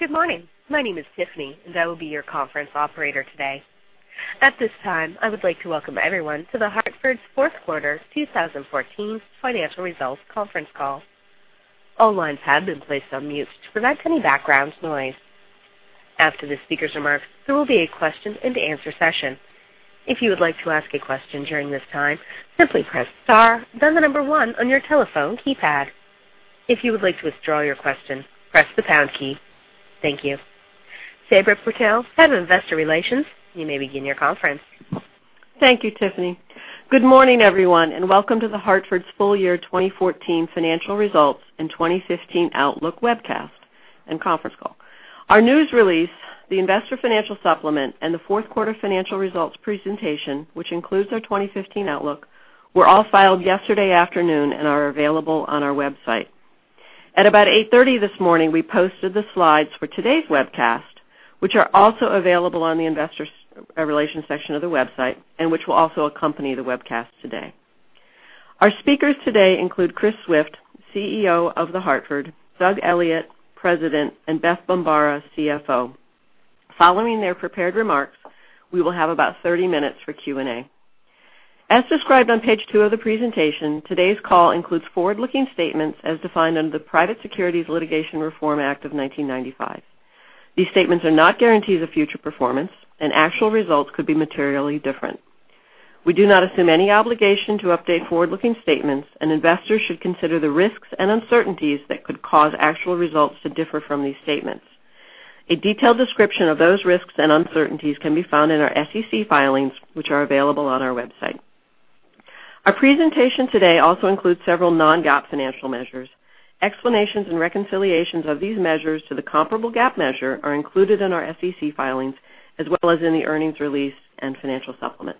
Good morning. My name is Tiffany, and I will be your conference operator today. At this time, I would like to welcome everyone to The Hartford's fourth quarter 2014 financial results conference call. All lines have been placed on mute to prevent any background noise. After the speakers' remarks, there will be a question and answer session. If you would like to ask a question during this time, simply press star then the number one on your telephone keypad. If you would like to withdraw your question, press the pound key. Thank you. Sabra Purtill, Head of Investor Relations, you may begin your conference. Thank you, Tiffany. Good morning, everyone, and welcome to The Hartford's full year 2014 financial results and 2015 outlook webcast and conference call. Our news release, the investor financial supplement, and the fourth quarter financial results presentation, which includes our 2015 outlook, were all filed yesterday afternoon and are available on our website. At about 8:30 A.M. this morning, we posted the slides for today's webcast, which are also available on the investor relations section of the website and which will also accompany the webcast today. Our speakers today include Christopher Swift, CEO of The Hartford; Doug Elliot, President; and Beth Bombara, CFO. Following their prepared remarks, we will have about 30 minutes for Q&A. As described on page two of the presentation, today's call includes forward-looking statements as defined under the Private Securities Litigation Reform Act of 1995. These statements are not guarantees of future performance, and actual results could be materially different. We do not assume any obligation to update forward-looking statements, and investors should consider the risks and uncertainties that could cause actual results to differ from these statements. A detailed description of those risks and uncertainties can be found in our SEC filings, which are available on our website. Our presentation today also includes several non-GAAP financial measures. Explanations and reconciliations of these measures to the comparable GAAP measure are included in our SEC filings as well as in the earnings release and financial supplement.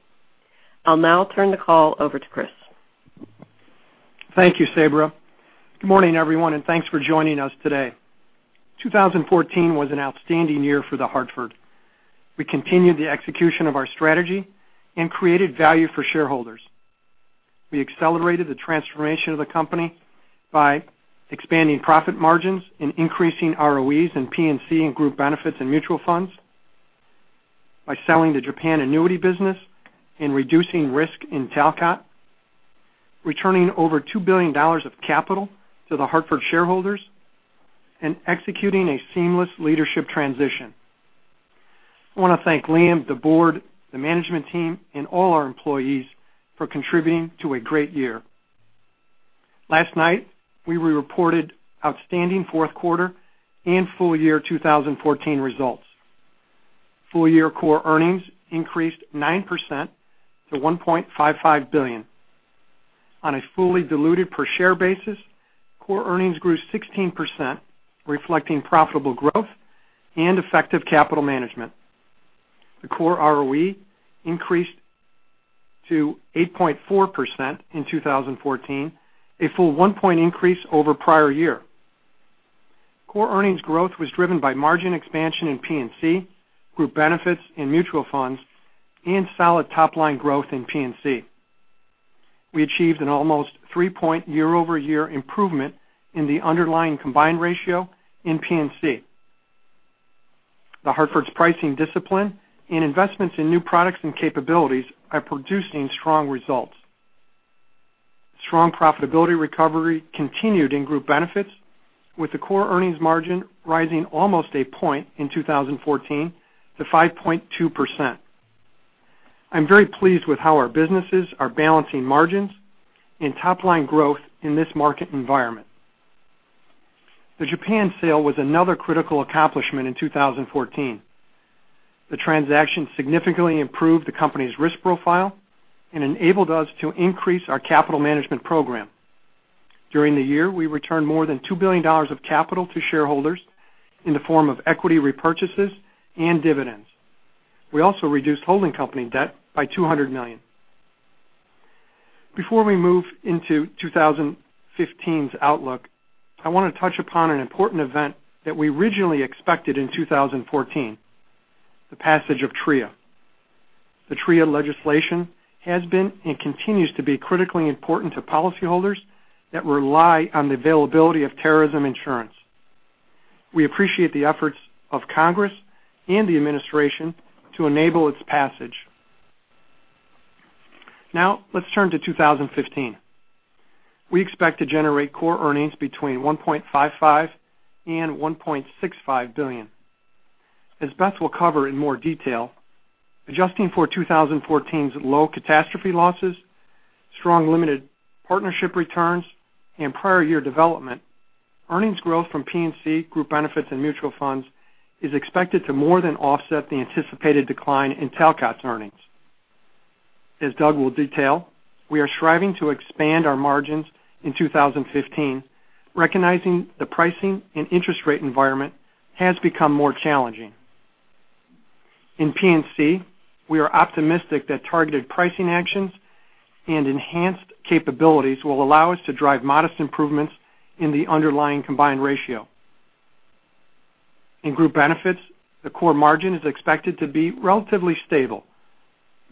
I'll now turn the call over to Chris. Thank you, Sabra. Good morning, everyone, and thanks for joining us today. 2014 was an outstanding year for The Hartford. We continued the execution of our strategy and created value for shareholders. We accelerated the transformation of the company by expanding profit margins and increasing ROEs in P&C and group benefits and mutual funds, by selling the Japan annuity business and reducing risk in Talcott Resolution, returning over $2 billion of capital to The Hartford shareholders, and executing a seamless leadership transition. I want to thank Liam, the board, the management team, and all our employees for contributing to a great year. Last night, we reported outstanding fourth quarter and full year 2014 results. Full year core earnings increased 9% to $1.55 billion. On a fully diluted per share basis, core earnings grew 16%, reflecting profitable growth and effective capital management. The core ROE increased to 8.4% in 2014, a full one-point increase over prior year. Core earnings growth was driven by margin expansion in P&C, group benefits, and mutual funds, and solid top-line growth in P&C. We achieved an almost three-point year-over-year improvement in the underlying combined ratio in P&C. The Hartford's pricing discipline and investments in new products and capabilities are producing strong results. Strong profitability recovery continued in group benefits, with the core earnings margin rising almost a point in 2014 to 5.2%. I'm very pleased with how our businesses are balancing margins and top-line growth in this market environment. The Japan sale was another critical accomplishment in 2014. The transaction significantly improved the company's risk profile and enabled us to increase our capital management program. During the year, we returned more than $2 billion of capital to shareholders in the form of equity repurchases and dividends. We also reduced holding company debt by $200 million. Before we move into 2015's outlook, I want to touch upon an important event that we originally expected in 2014, the passage of TRIA. The TRIA legislation has been and continues to be critically important to policyholders that rely on the availability of terrorism insurance. We appreciate the efforts of Congress and the administration to enable its passage. Let's turn to 2015. We expect to generate core earnings between $1.55 billion and $1.65 billion. As Beth will cover in more detail, adjusting for 2014's low catastrophe losses, strong limited partnership returns, and prior year development, earnings growth from P&C, group benefits, and mutual funds is expected to more than offset the anticipated decline in Talcott's earnings. As Doug will detail, we are striving to expand our margins in 2015, recognizing the pricing and interest rate environment has become more challenging. In P&C, we are optimistic that targeted pricing actions and enhanced capabilities will allow us to drive modest improvements in the underlying combined ratio. In group benefits, the core margin is expected to be relatively stable.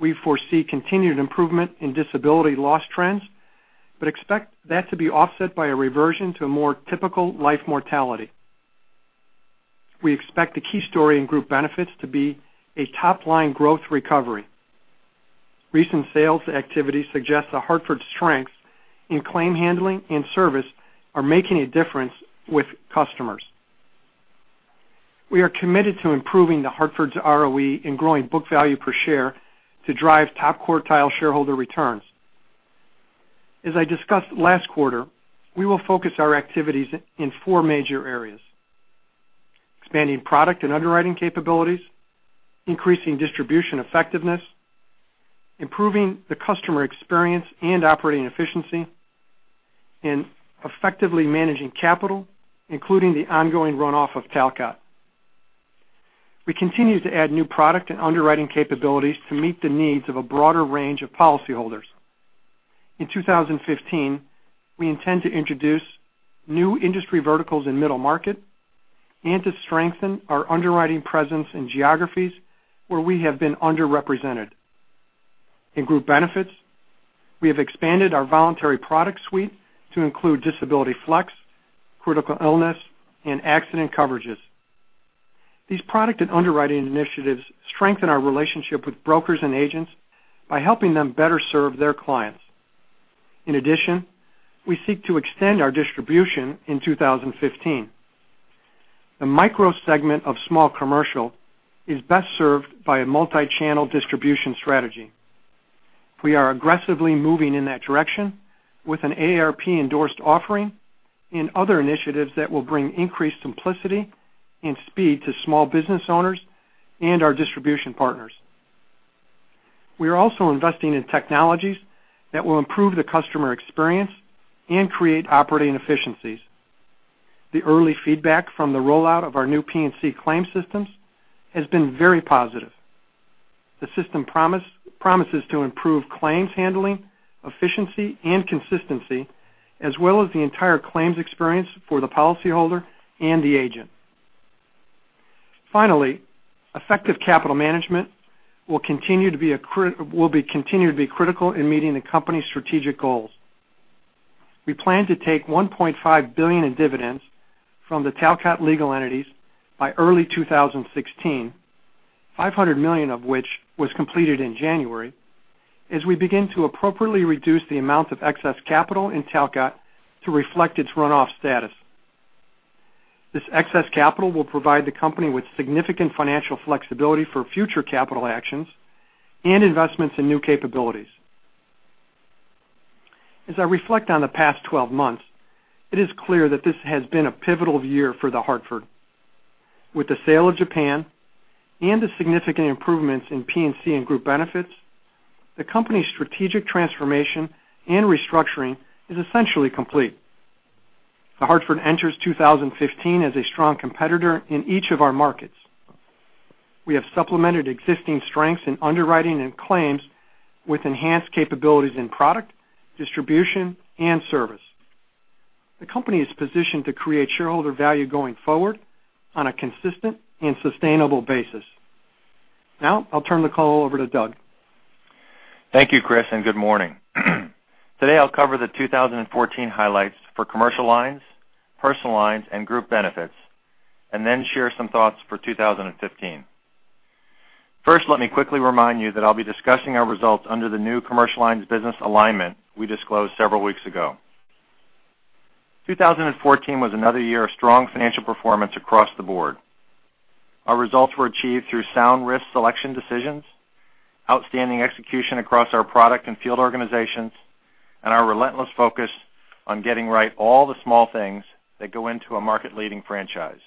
We foresee continued improvement in disability loss trends, but expect that to be offset by a reversion to a more typical life mortality. We expect the key story in group benefits to be a top-line growth recovery. Recent sales activity suggests The Hartford's strengths in claim handling and service are making a difference with customers. We are committed to improving The Hartford's ROE and growing book value per share to drive top-quartile shareholder returns. As I discussed last quarter, we will focus our activities in four major areas. Expanding product and underwriting capabilities, increasing distribution effectiveness, improving the customer experience and operating efficiency, and effectively managing capital, including the ongoing runoff of Talcott. We continue to add new product and underwriting capabilities to meet the needs of a broader range of policyholders. In 2015, we intend to introduce new industry verticals in middle market and to strengthen our underwriting presence in geographies where we have been underrepresented. In group benefits, we have expanded our voluntary product suite to include disability flex, critical illness, and accident coverages. These product and underwriting initiatives strengthen our relationship with brokers and agents by helping them better serve their clients. In addition, we seek to extend our distribution in 2015. The micro segment of small commercial is best served by a multi-channel distribution strategy. We are aggressively moving in that direction with an AARP-endorsed offering and other initiatives that will bring increased simplicity and speed to small business owners and our distribution partners. We are also investing in technologies that will improve the customer experience and create operating efficiencies. The early feedback from the rollout of our new P&C claims systems has been very positive. The system promises to improve claims handling, efficiency and consistency, as well as the entire claims experience for the policyholder and the agent. Finally, effective capital management will continue to be critical in meeting the company's strategic goals. We plan to take $1.5 billion in dividends from the Talcott legal entities by early 2016, $500 million of which was completed in January, as we begin to appropriately reduce the amount of excess capital in Talcott to reflect its runoff status. This excess capital will provide the company with significant financial flexibility for future capital actions and investments in new capabilities. As I reflect on the past 12 months, it is clear that this has been a pivotal year for The Hartford. With the sale of Japan and the significant improvements in P&C and group benefits, the company's strategic transformation and restructuring is essentially complete. The Hartford enters 2015 as a strong competitor in each of our markets. We have supplemented existing strengths in underwriting and claims with enhanced capabilities in product, distribution, and service. The company is positioned to create shareholder value going forward on a consistent and sustainable basis. Now, I'll turn the call over to Doug. Thank you, Chris, and good morning. Today I'll cover the 2014 highlights for commercial lines, personal lines, and group benefits, and then share some thoughts for 2015. First, let me quickly remind you that I'll be discussing our results under the new commercial lines business alignment we disclosed several weeks ago. 2014 was another year of strong financial performance across the board. Our results were achieved through sound risk selection decisions, outstanding execution across our product and field organizations, and our relentless focus on getting right all the small things that go into a market-leading franchise.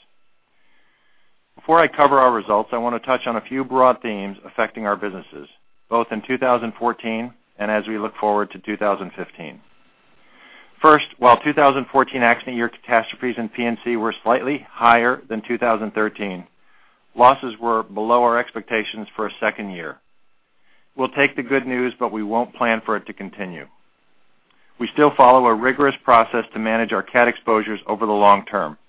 Before I cover our results, I want to touch on a few broad themes affecting our businesses, both in 2014 and as we look forward to 2015. First, while 2014 accident year catastrophes in P&C were slightly higher than 2013, losses were below our expectations for a second year. We'll take the good news, but we won't plan for it to continue. We still follow a rigorous process to manage our cat exposures over the long term.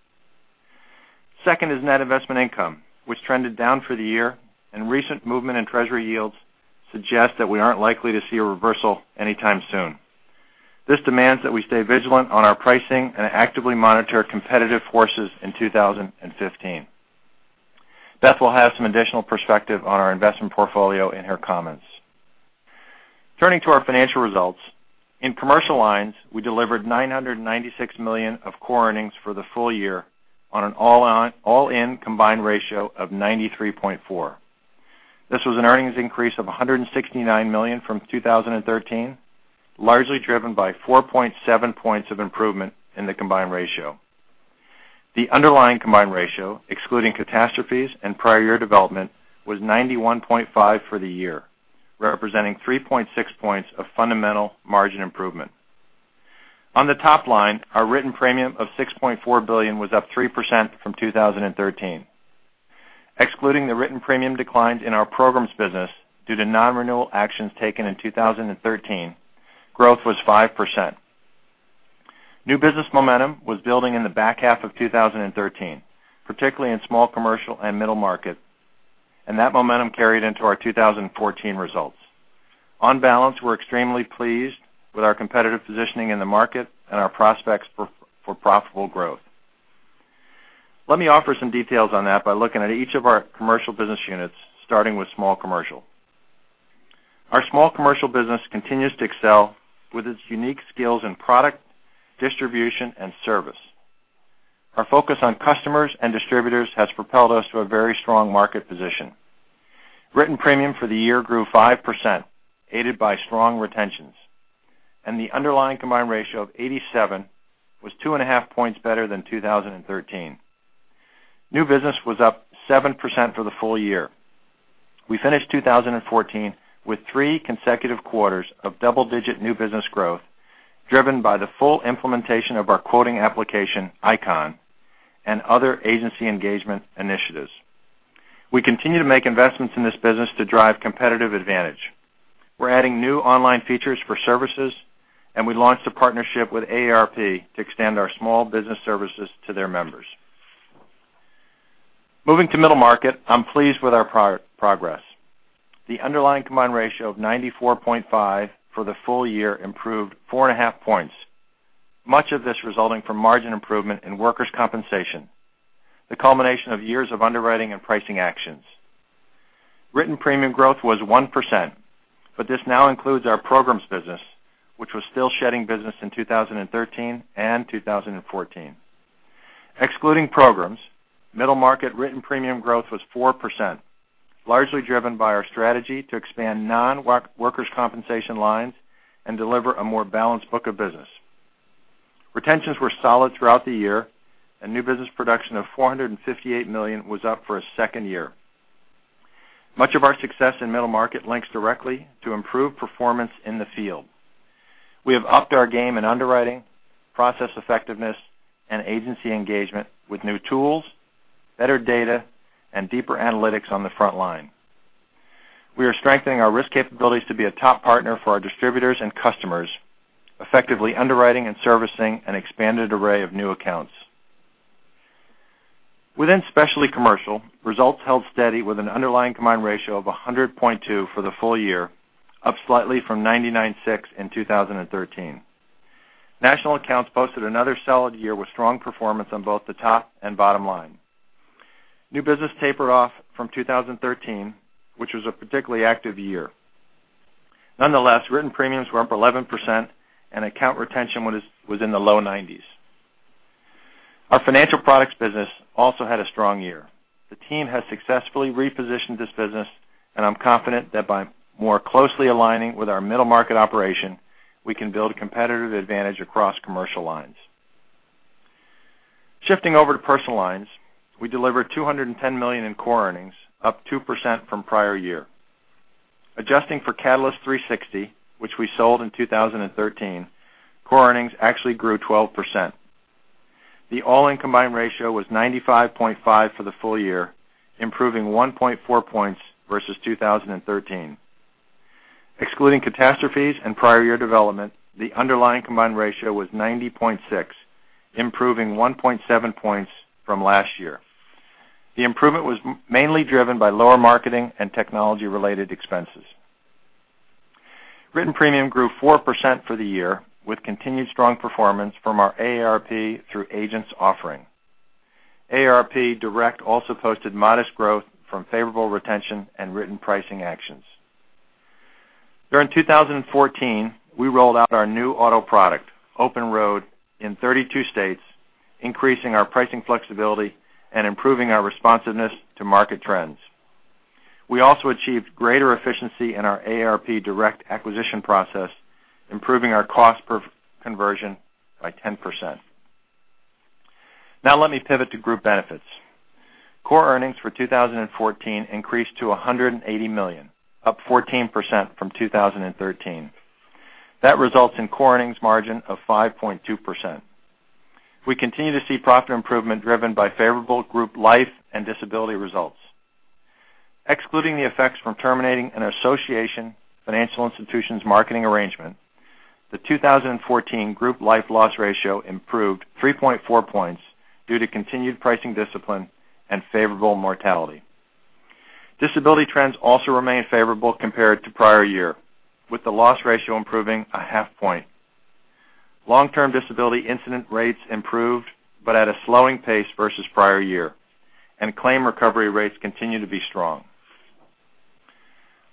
Second is net investment income, which trended down for the year, and recent movement in treasury yields suggest that we aren't likely to see a reversal anytime soon. This demands that we stay vigilant on our pricing and actively monitor competitive forces in 2015. Beth will have some additional perspective on our investment portfolio in her comments. Turning to our financial results, in commercial lines, we delivered $996 million of core earnings for the full year on an all-in combined ratio of 93.4. This was an earnings increase of $169 million from 2013, largely driven by 4.7 points of improvement in the combined ratio. The underlying combined ratio, excluding catastrophes and prior year development, was 91.5 for the year, representing 3.6 points of fundamental margin improvement. On the top line, our written premium of $6.4 billion was up 3% from 2013. Excluding the written premium declines in our programs business due to non-renewal actions taken in 2013, growth was 5%. New business momentum was building in the back half of 2013, particularly in small commercial and middle market, and that momentum carried into our 2014 results. On balance, we're extremely pleased with our competitive positioning in the market and our prospects for profitable growth. Let me offer some details on that by looking at each of our commercial business units, starting with small commercial. Our small commercial business continues to excel with its unique skills in product, distribution, and service. Our focus on customers and distributors has propelled us to a very strong market position. Written premium for the year grew 5%, aided by strong retentions, and the underlying combined ratio of 87 was two and a half points better than 2013. New business was up 7% for the full year. We finished 2014 with three consecutive quarters of double-digit new business growth, driven by the full implementation of our quoting application, ICON, and other agency engagement initiatives. We continue to make investments in this business to drive competitive advantage. We're adding new online features for services, and we launched a partnership with AARP to extend our small business services to their members. Moving to middle market, I'm pleased with our progress. The underlying combined ratio of 94.5 for the full year improved four and a half points, much of this resulting from margin improvement in workers' compensation, the culmination of years of underwriting and pricing actions. This now includes our programs business, which was still shedding business in 2013 and 2014. Excluding programs, middle market written premium growth was 4%, largely driven by our strategy to expand non-workers' compensation lines and deliver a more balanced book of business. Retentions were solid throughout the year and new business production of $458 million was up for a second year. Much of our success in middle market links directly to improved performance in the field. We have upped our game in underwriting, process effectiveness, and agency engagement with new tools, better data, and deeper analytics on the front line. We are strengthening our risk capabilities to be a top partner for our distributors and customers, effectively underwriting and servicing an expanded array of new accounts. Within specialty commercial, results held steady with an underlying combined ratio of 100.2 for the full year, up slightly from 99.6 in 2013. National accounts posted another solid year with strong performance on both the top and bottom line. New business tapered off from 2013, which was a particularly active year. Nonetheless, written premiums were up 11% and account retention was in the low 90s. Our financial products business also had a strong year. The team has successfully repositioned this business, and I'm confident that by more closely aligning with our middle market operation, we can build competitive advantage across commercial lines. Shifting over to personal lines, we delivered $210 million in core earnings, up 2% from prior year. Adjusting for Catalyst 360, which we sold in 2013, core earnings actually grew 12%. The all-in combined ratio was 95.5 for the full year, improving 1.4 points versus 2013. Excluding catastrophes and prior year development, the underlying combined ratio was 90.6, improving 1.7 points from last year. The improvement was mainly driven by lower marketing and technology-related expenses. Written premium grew 4% for the year, with continued strong performance from our AARP through agents offering. AARP Direct also posted modest growth from favorable retention and written pricing actions. During 2014, we rolled out our new auto product, Open Road, in 32 states, increasing our pricing flexibility and improving our responsiveness to market trends. We also achieved greater efficiency in our AARP Direct acquisition process, improving our cost per conversion by 10%. Now let me pivot to group benefits. Core earnings for 2014 increased to $180 million, up 14% from 2013. That results in core earnings margin of 5.2%. We continue to see profit improvement driven by favorable group life and disability results. Excluding the effects from terminating an Association - Financial Institutions marketing arrangement, the 2014 group life loss ratio improved 3.4 points due to continued pricing discipline and favorable mortality. Disability trends also remain favorable compared to prior year, with the loss ratio improving a half point. Long-term disability incident rates improved, but at a slowing pace versus prior year, and claim recovery rates continue to be strong.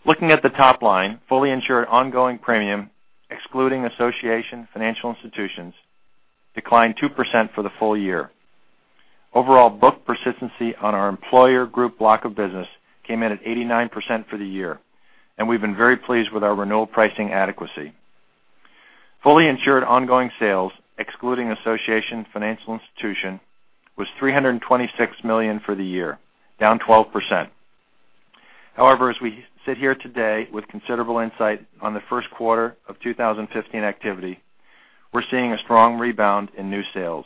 Looking at the top line, fully insured ongoing premium, excluding Association - Financial Institutions, declined 2% for the full year. Overall book persistency on our employer group block of business came in at 89% for the year, and we've been very pleased with our renewal pricing adequacy. Fully insured ongoing sales, excluding Association - Financial Institutions, was $326 million for the year, down 12%. However, as we sit here today with considerable insight on the first quarter of 2015 activity, we're seeing a strong rebound in new sales.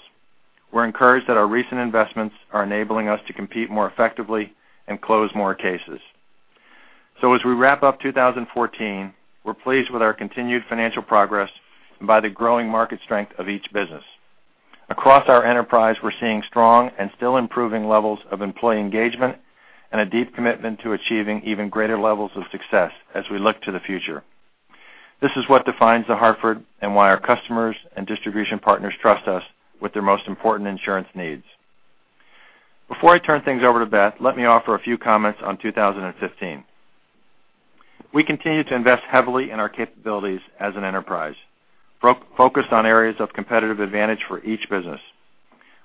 We're encouraged that our recent investments are enabling us to compete more effectively and close more cases. As we wrap up 2014, we're pleased with our continued financial progress and by the growing market strength of each business. Across our enterprise, we're seeing strong and still improving levels of employee engagement and a deep commitment to achieving even greater levels of success as we look to the future. This is what defines The Hartford and why our customers and distribution partners trust us with their most important insurance needs. Before I turn things over to Beth, let me offer a few comments on 2015. We continue to invest heavily in our capabilities as an enterprise, focused on areas of competitive advantage for each business.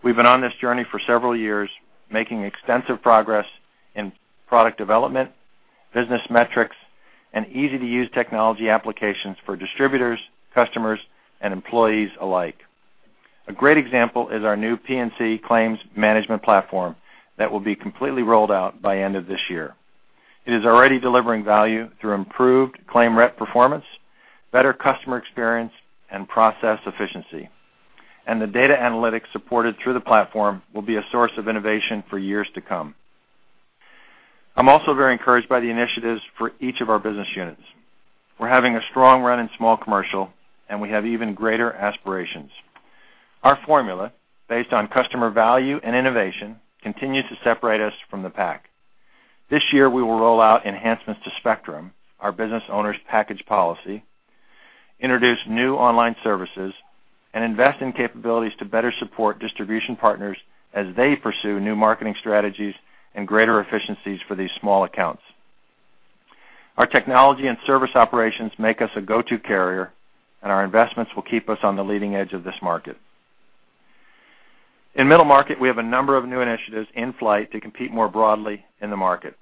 We've been on this journey for several years, making extensive progress in product development, business metrics, and easy-to-use technology applications for distributors, customers, and employees alike. A great example is our new P&C claims management platform that will be completely rolled out by end of this year. It is already delivering value through improved claim rep performance, better customer experience, and process efficiency. The data analytics supported through the platform will be a source of innovation for years to come. I'm also very encouraged by the initiatives for each of our business units. We're having a strong run in small commercial, and we have even greater aspirations. Our formula, based on customer value and innovation, continues to separate us from the pack. This year, we will roll out enhancements to Spectrum, our business owner's package policy, introduce new online services, and invest in capabilities to better support distribution partners as they pursue new marketing strategies and greater efficiencies for these small accounts. Our technology and service operations make us a go-to carrier, and our investments will keep us on the leading edge of this market. In middle market, we have a number of new initiatives in flight to compete more broadly in the market.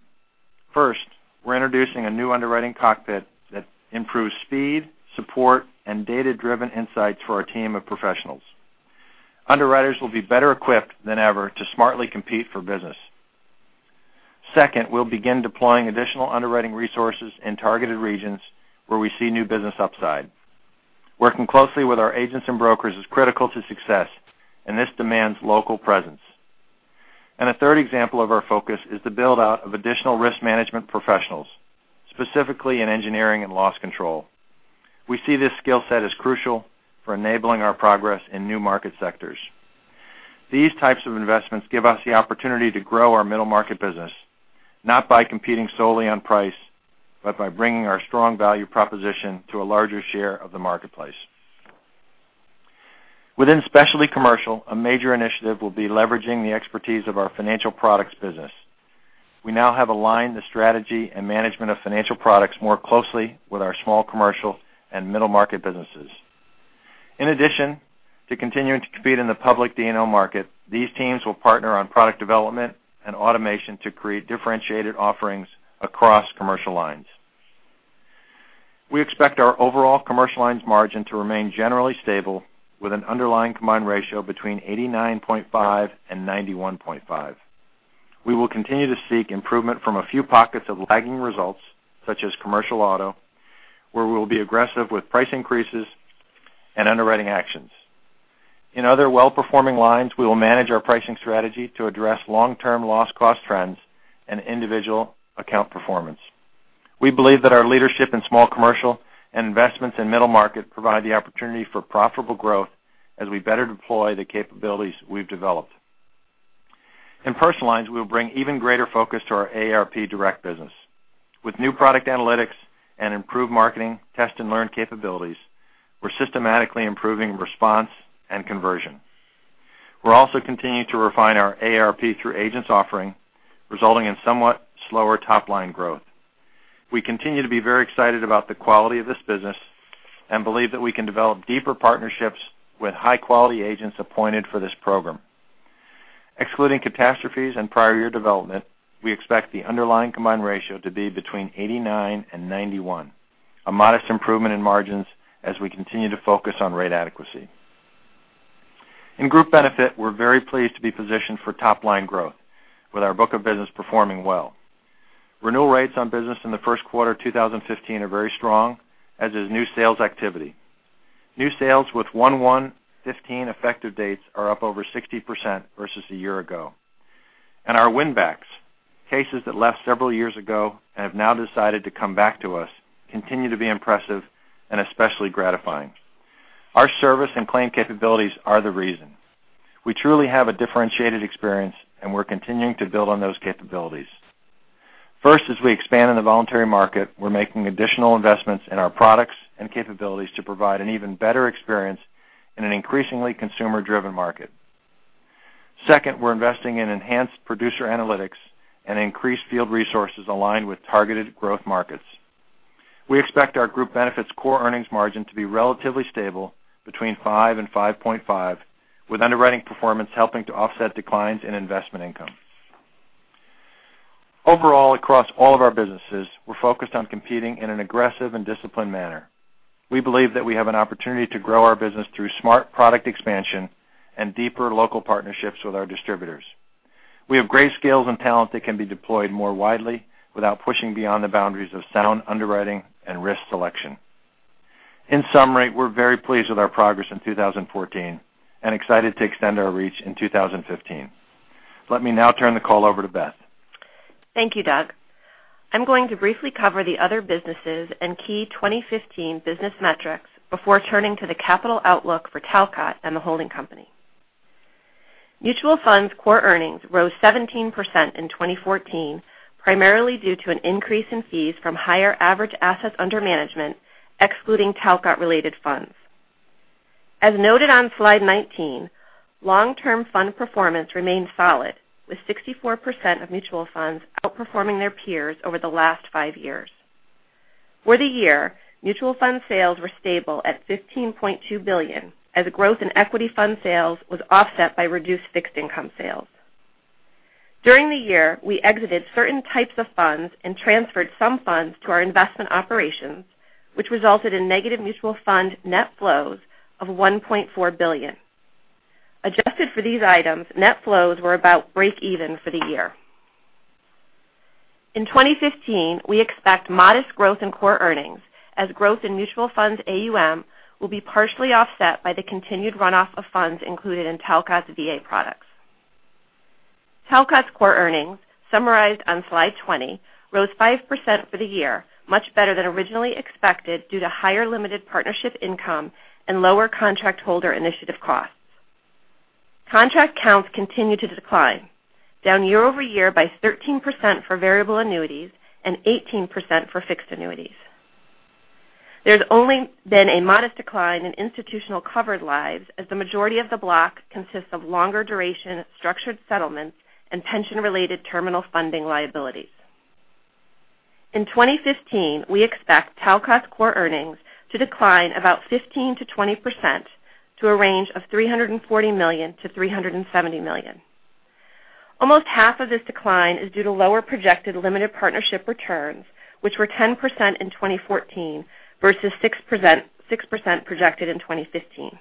First, we are introducing a new underwriting cockpit that improves speed, support, and data-driven insights for our team of professionals. Underwriters will be better equipped than ever to smartly compete for business. Second, we will begin deploying additional underwriting resources in targeted regions where we see new business upside. Working closely with our agents and brokers is critical to success, and this demands local presence. A third example of our focus is the build-out of additional risk management professionals, specifically in engineering and loss control. We see this skill set as crucial for enabling our progress in new market sectors. These types of investments give us the opportunity to grow our middle market business, not by competing solely on price, but by bringing our strong value proposition to a larger share of the marketplace. Within specialty commercial, a major initiative will be leveraging the expertise of our financial products business. We now have aligned the strategy and management of financial products more closely with our small commercial and middle market businesses. In addition to continuing to compete in the public D&O market, these teams will partner on product development and automation to create differentiated offerings across commercial lines. We expect our overall commercial lines margin to remain generally stable, with an underlying combined ratio between 89.5% and 91.5%. We will continue to seek improvement from a few pockets of lagging results, such as commercial auto, where we will be aggressive with price increases and underwriting actions. In other well-performing lines, we will manage our pricing strategy to address long-term loss cost trends and individual account performance. We believe that our leadership in small commercial and investments in middle market provide the opportunity for profitable growth as we better deploy the capabilities we have developed. In personal lines, we will bring even greater focus to our AARP Direct business. With new product analytics and improved marketing test and learn capabilities, we are systematically improving response and conversion. We are also continuing to refine our AARP Through Agents offering, resulting in somewhat slower top-line growth. We continue to be very excited about the quality of this business and believe that we can develop deeper partnerships with high-quality agents appointed for this program. Excluding catastrophes and prior year development, we expect the underlying combined ratio to be between 89% and 91%, a modest improvement in margins as we continue to focus on rate adequacy. In group benefit, we are very pleased to be positioned for top-line growth, with our book of business performing well. Renewal rates on business in the first quarter 2015 are very strong, as is new sales activity. New sales with 1/1/2015 effective dates are up over 60% versus a year ago. Our win-backs, cases that left several years ago and have now decided to come back to us, continue to be impressive and especially gratifying. Our service and claim capabilities are the reason. We truly have a differentiated experience, and we're continuing to build on those capabilities. First, as we expand in the voluntary market, we're making additional investments in our products and capabilities to provide an even better experience in an increasingly consumer-driven market. Second, we're investing in enhanced producer analytics and increased field resources aligned with targeted growth markets. We expect our group benefits core earnings margin to be relatively stable between five and 5.5, with underwriting performance helping to offset declines in investment income. Overall, across all of our businesses, we're focused on competing in an aggressive and disciplined manner. We believe that we have an opportunity to grow our business through smart product expansion and deeper local partnerships with our distributors. We have great scales and talent that can be deployed more widely without pushing beyond the boundaries of sound underwriting and risk selection. In summary, we're very pleased with our progress in 2014 and excited to extend our reach in 2015. Let me now turn the call over to Beth. Thank you, Doug. I'm going to briefly cover the other businesses and key 2015 business metrics before turning to the capital outlook for Talcott and the holding company. Mutual funds core earnings rose 17% in 2014, primarily due to an increase in fees from higher average assets under management, excluding Talcott-related funds. As noted on slide 19, long-term fund performance remained solid, with 64% of mutual funds outperforming their peers over the last five years. For the year, mutual fund sales were stable at $15.2 billion, as the growth in equity fund sales was offset by reduced fixed income sales. During the year, we exited certain types of funds and transferred some funds to our investment operations, which resulted in negative mutual fund net flows of $1.4 billion. Adjusted for these items, net flows were about break even for the year. In 2015, we expect modest growth in core earnings as growth in mutual funds AUM will be partially offset by the continued runoff of funds included in Talcott's VA products. Talcott's core earnings, summarized on slide 20, rose 5% for the year, much better than originally expected due to higher limited partnership income and lower contract holder initiative costs. Contract counts continue to decline, down year-over-year by 13% for variable annuities and 18% for fixed annuities. There's only been a modest decline in institutional covered lives as the majority of the block consists of longer duration structured settlements and pension-related terminal funding liabilities. In 2015, we expect Talcott's core earnings to decline about 15%-20% to a range of $340 million-$370 million. Almost half of this decline is due to lower projected limited partnership returns, which were 10% in 2014 versus 6% projected in 2015.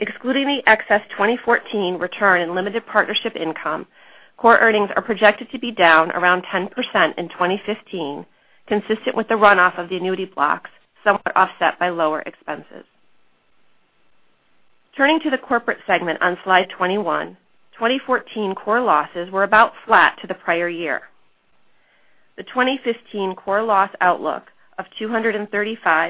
Excluding the excess 2014 return in limited partnership income, core earnings are projected to be down around 10% in 2015, consistent with the runoff of the annuity blocks, somewhat offset by lower expenses. Turning to the corporate segment on slide 21, 2014 core losses were about flat to the prior year. The 2015 core loss outlook of $235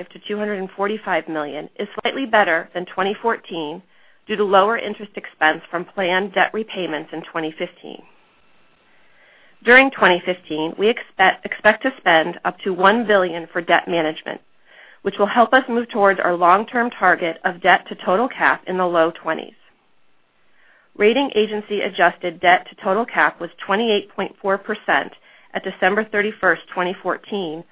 million-$245 million is slightly better than 2014 due to lower interest expense from planned debt repayments in 2015. During 2015, we expect to spend up to $1 billion for debt management, which will help us move towards our long-term target of debt to total cap in the low twenties. Rating agency adjusted debt to total cap was 28.4% at December 31st, 2014,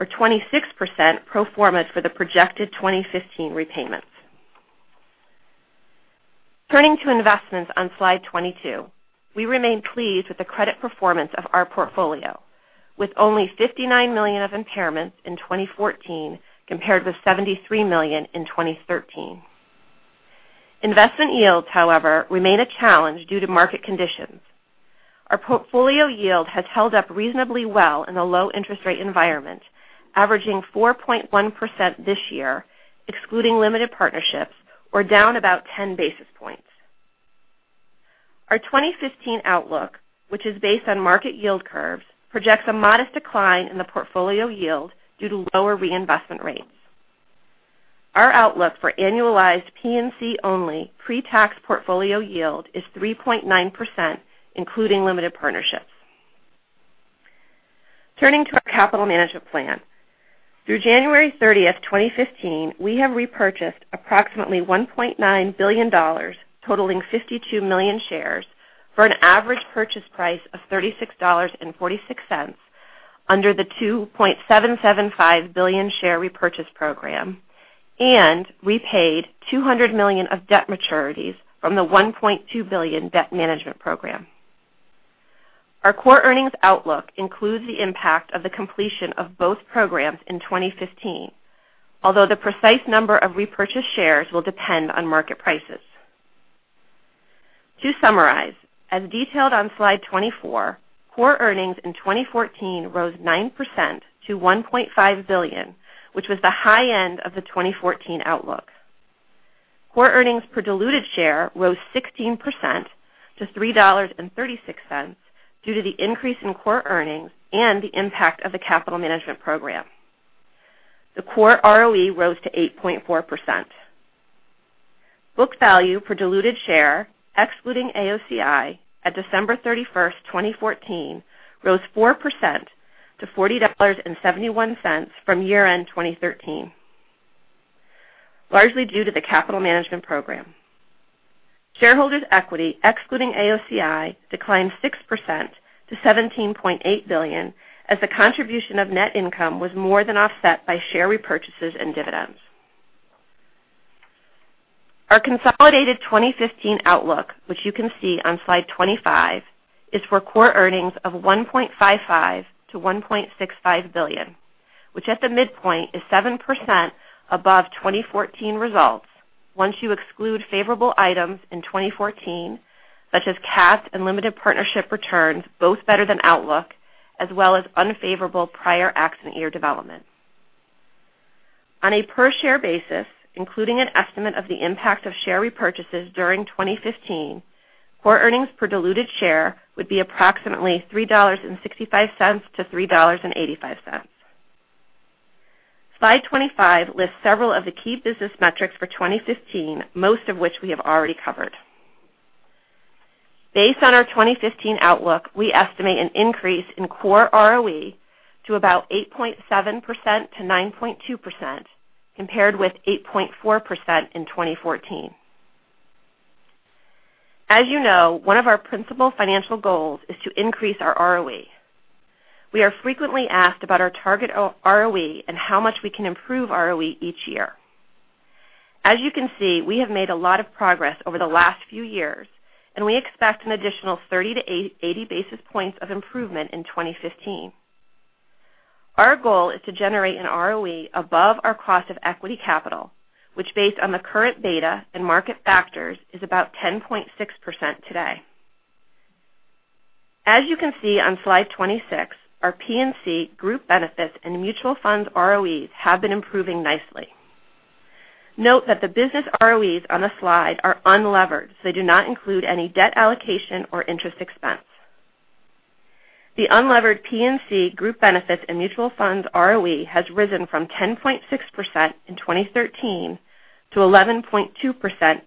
or 26% pro forma for the projected 2015 repayments. Turning to investments on slide 22. We remain pleased with the credit performance of our portfolio, with only $59 million of impairments in 2014, compared with $73 million in 2013. Investment yields, however, remain a challenge due to market conditions. Our portfolio yield has held up reasonably well in the low interest rate environment, averaging 4.1% this year, excluding limited partnerships, or down about 10 basis points. Our 2015 outlook, which is based on market yield curves, projects a modest decline in the portfolio yield due to lower reinvestment rates. Our outlook for annualized P&C-only pre-tax portfolio yield is 3.9%, including limited partnerships. Turning to our capital management plan. Through January 30th, 2015, we have repurchased approximately $1.9 billion, totaling 52 million shares for an average purchase price of $36.46 under the $2.775 billion share repurchase program, and we paid $200 million of debt maturities from the $1.2 billion debt management program. Our core earnings outlook includes the impact of the completion of both programs in 2015, although the precise number of repurchased shares will depend on market prices. To summarize, as detailed on slide 24, core earnings in 2014 rose 9% to $1.5 billion, which was the high end of the 2014 outlook. Core earnings per diluted share rose 16% to $3.36 due to the increase in core earnings and the impact of the capital management program. The core ROE rose to 8.4%. Book value per diluted share, excluding AOCI, at December 31st, 2014, rose 4% to $40.71 from year-end 2013, largely due to the capital management program. Shareholders' equity, excluding AOCI, declined 6% to $17.8 billion as the contribution of net income was more than offset by share repurchases and dividends. Our consolidated 2015 outlook, which you can see on slide 25, is for core earnings of $1.55 billion-$1.65 billion, which at the midpoint is 7% above 2014 results once you exclude favorable items in 2014, such as cash and limited partnership returns both better than outlook. As well as unfavorable prior accident year development. On a per share basis, including an estimate of the impact of share repurchases during 2015, core earnings per diluted share would be approximately $3.65-$3.85. Slide 25 lists several of the key business metrics for 2015, most of which we have already covered. Based on our 2015 outlook, we estimate an increase in core ROE to about 8.7%-9.2%, compared with 8.4% in 2014. As you know, one of our principal financial goals is to increase our ROE. We are frequently asked about our target ROE and how much we can improve ROE each year. As you can see, we have made a lot of progress over the last few years, and we expect an additional 30 to 80 basis points of improvement in 2015. Our goal is to generate an ROE above our cost of equity capital, which based on the current beta and market factors, is about 10.6% today. As you can see on slide 26, our P&C Group Benefits and Mutual Funds ROEs have been improving nicely. Note that the business ROEs on the slide are unlevered, so they do not include any debt allocation or interest expense. The unlevered P&C Group Benefits and Mutual Funds ROE has risen from 10.6% in 2013 to 11.2%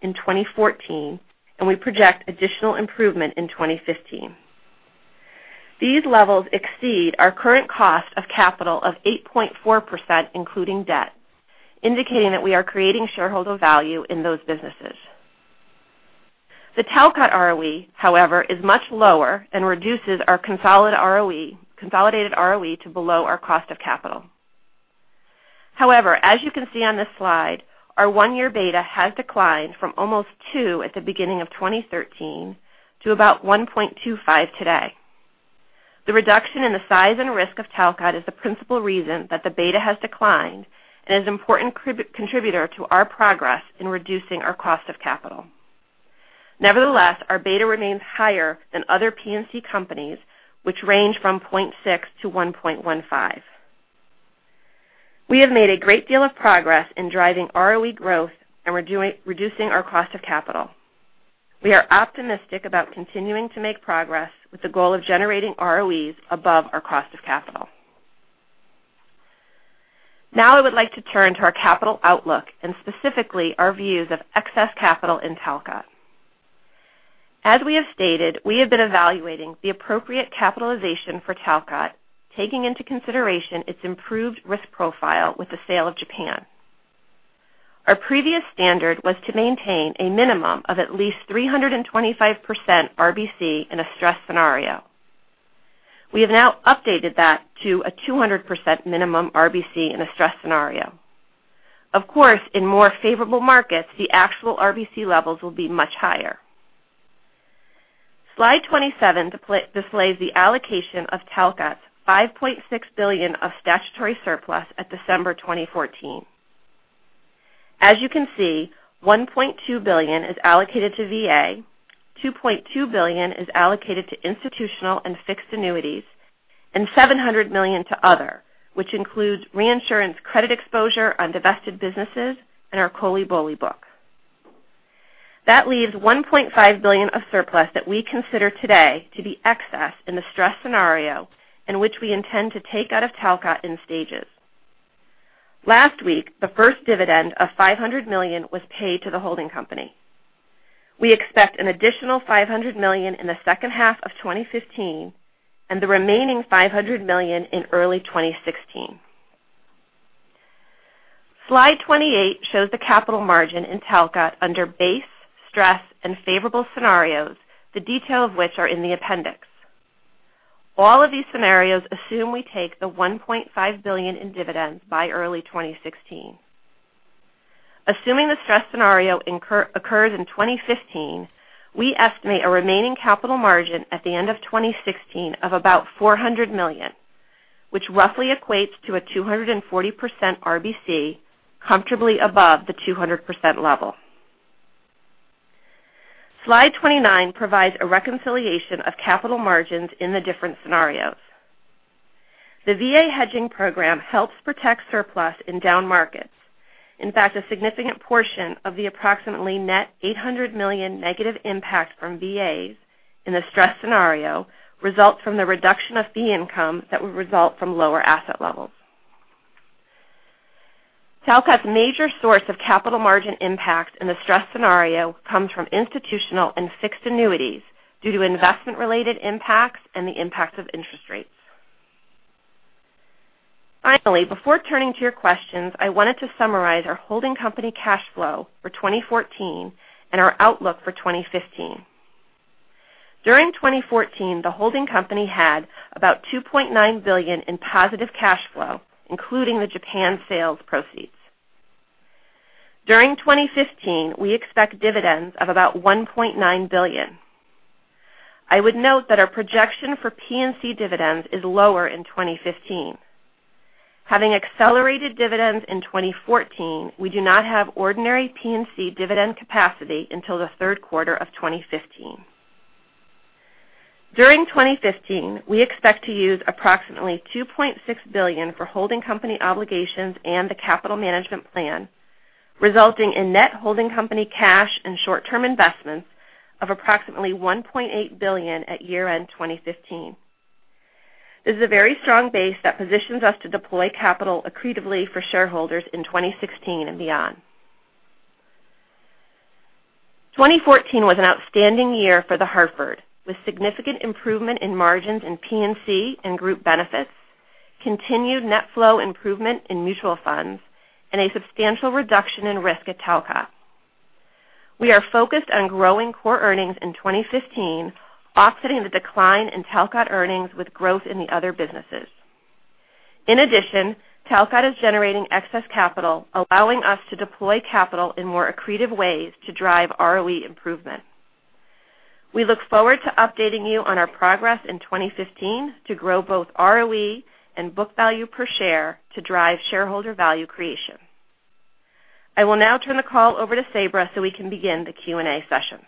in 2014, and we project additional improvement in 2015. These levels exceed our current cost of capital of 8.4%, including debt, indicating that we are creating shareholder value in those businesses. The Talcott ROE, however, is much lower and reduces our consolidated ROE to below our cost of capital. As you can see on this slide, our one-year beta has declined from almost two at the beginning of 2013 to about 1.25 today. The reduction in the size and risk of Talcott is the principal reason that the beta has declined and is an important contributor to our progress in reducing our cost of capital. Our beta remains higher than other P&C companies, which range from 0.6 to 1.15. We have made a great deal of progress in driving ROE growth and reducing our cost of capital. We are optimistic about continuing to make progress with the goal of generating ROEs above our cost of capital. Now I would like to turn to our capital outlook and specifically our views of excess capital in Talcott. As we have stated, we have been evaluating the appropriate capitalization for Talcott, taking into consideration its improved risk profile with the sale of Japan. Our previous standard was to maintain a minimum of at least 325% RBC in a stress scenario. We have now updated that to a 200% minimum RBC in a stress scenario. Of course, in more favorable markets, the actual RBC levels will be much higher. Slide 27 displays the allocation of Talcott's $5.6 billion of statutory surplus at December 2014. As you can see, $1.2 billion is allocated to VA, $2.2 billion is allocated to institutional and fixed annuities, and $700 million to other, which includes reinsurance credit exposure on divested businesses and our COLI/BOLI book. That leaves $1.5 billion of surplus that we consider today to be excess in the stress scenario in which we intend to take out of Talcott in stages. Last week, the first dividend of $500 million was paid to the holding company. We expect an additional $500 million in the second half of 2015 and the remaining $500 million in early 2016. Slide 28 shows the capital margin in Talcott under base, stress, and favorable scenarios, the detail of which are in the appendix. All of these scenarios assume we take the $1.5 billion in dividends by early 2016. Assuming the stress scenario occurs in 2015, we estimate a remaining capital margin at the end of 2016 of about $400 million, which roughly equates to a 240% RBC comfortably above the 200% level. Slide 29 provides a reconciliation of capital margins in the different scenarios. The VA hedging program helps protect surplus in down markets. In fact, a significant portion of the approximately net $800 million negative impact from VAs in the stress scenario results from the reduction of fee income that would result from lower asset levels. Talcott's major source of capital margin impact in the stress scenario comes from institutional and fixed annuities due to investment-related impacts and the impact of interest rates. Finally, before turning to your questions, I wanted to summarize our holding company cash flow for 2014 and our outlook for 2015. During 2014, the holding company had about $2.9 billion in positive cash flow, including the Japan sales proceeds. During 2015, we expect dividends of about $1.9 billion. I would note that our projection for P&C dividends is lower in 2015. Having accelerated dividends in 2014, we do not have ordinary P&C dividend capacity until the third quarter of 2015. During 2015, we expect to use approximately $2.6 billion for holding company obligations and the capital management plan, resulting in net holding company cash and short-term investments of approximately $1.8 billion at year-end 2015. This is a very strong base that positions us to deploy capital accretively for shareholders in 2016 and beyond. 2014 was an outstanding year for The Hartford, with significant improvement in margins in P&C and group benefits, continued net flow improvement in mutual funds, and a substantial reduction in risk at Talcott. We are focused on growing core earnings in 2015, offsetting the decline in Talcott earnings with growth in the other businesses. In addition, Talcott is generating excess capital, allowing us to deploy capital in more accretive ways to drive ROE improvement. We look forward to updating you on our progress in 2015 to grow both ROE and book value per share to drive shareholder value creation. I will now turn the call over to Sabra so we can begin the Q&A session.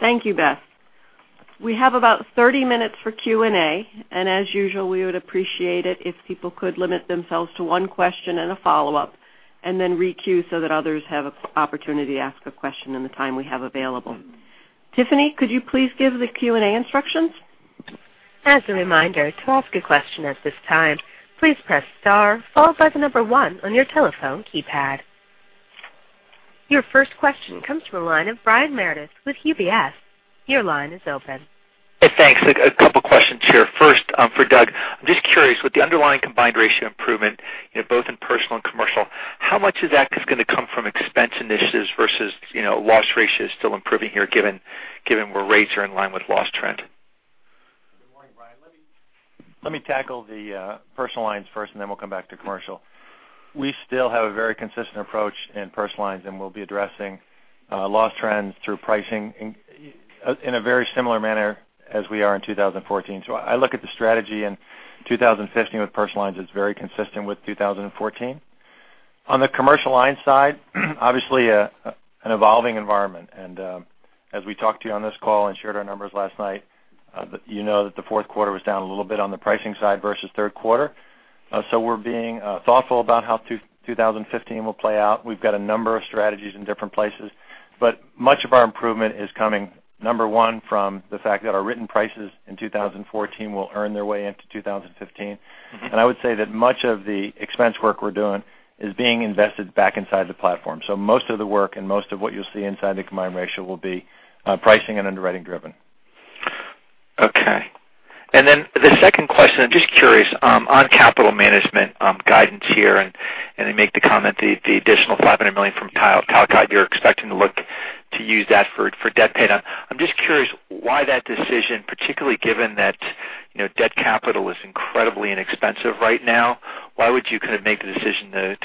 Thank you, Beth. We have about 30 minutes for Q&A, and as usual, we would appreciate it if people could limit themselves to one question and a follow-up, and then re-queue so that others have an opportunity to ask a question in the time we have available. Tiffany, could you please give the Q&A instructions? As a reminder, to ask a question at this time, please press star followed by the number one on your telephone keypad. Your first question comes from the line of Brian Meredith with UBS. Your line is open. Thanks. A couple questions here. First, for Doug, I'm just curious, with the underlying combined ratio improvement both in personal and commercial, how much of that is going to come from expense initiatives versus loss ratios still improving here, given where rates are in line with loss trend? Good morning, Brian. Let me tackle the personal lines first. Then we'll come back to commercial. We still have a very consistent approach in personal lines. We'll be addressing loss trends through pricing in a very similar manner as we are in 2014. I look at the strategy in 2015 with personal lines as very consistent with 2014. On the commercial lines side, obviously, an evolving environment. As we talked to you on this call and shared our numbers last night, you know that the fourth quarter was down a little bit on the pricing side versus third quarter. We're being thoughtful about how 2015 will play out. We've got a number of strategies in different places, but much of our improvement is coming, number one, from the fact that our written prices in 2014 will earn their way into 2015. I would say that much of the expense work we're doing is being invested back inside the platform. Most of the work and most of what you'll see inside the combined ratio will be pricing and underwriting driven. Okay. The second question, I'm just curious on capital management guidance here. I make the comment, the additional $500 million from Talcott you're expecting to look to use that for debt paydown. I'm just curious why that decision, particularly given that debt capital is incredibly inexpensive right now. Why would you make the decision to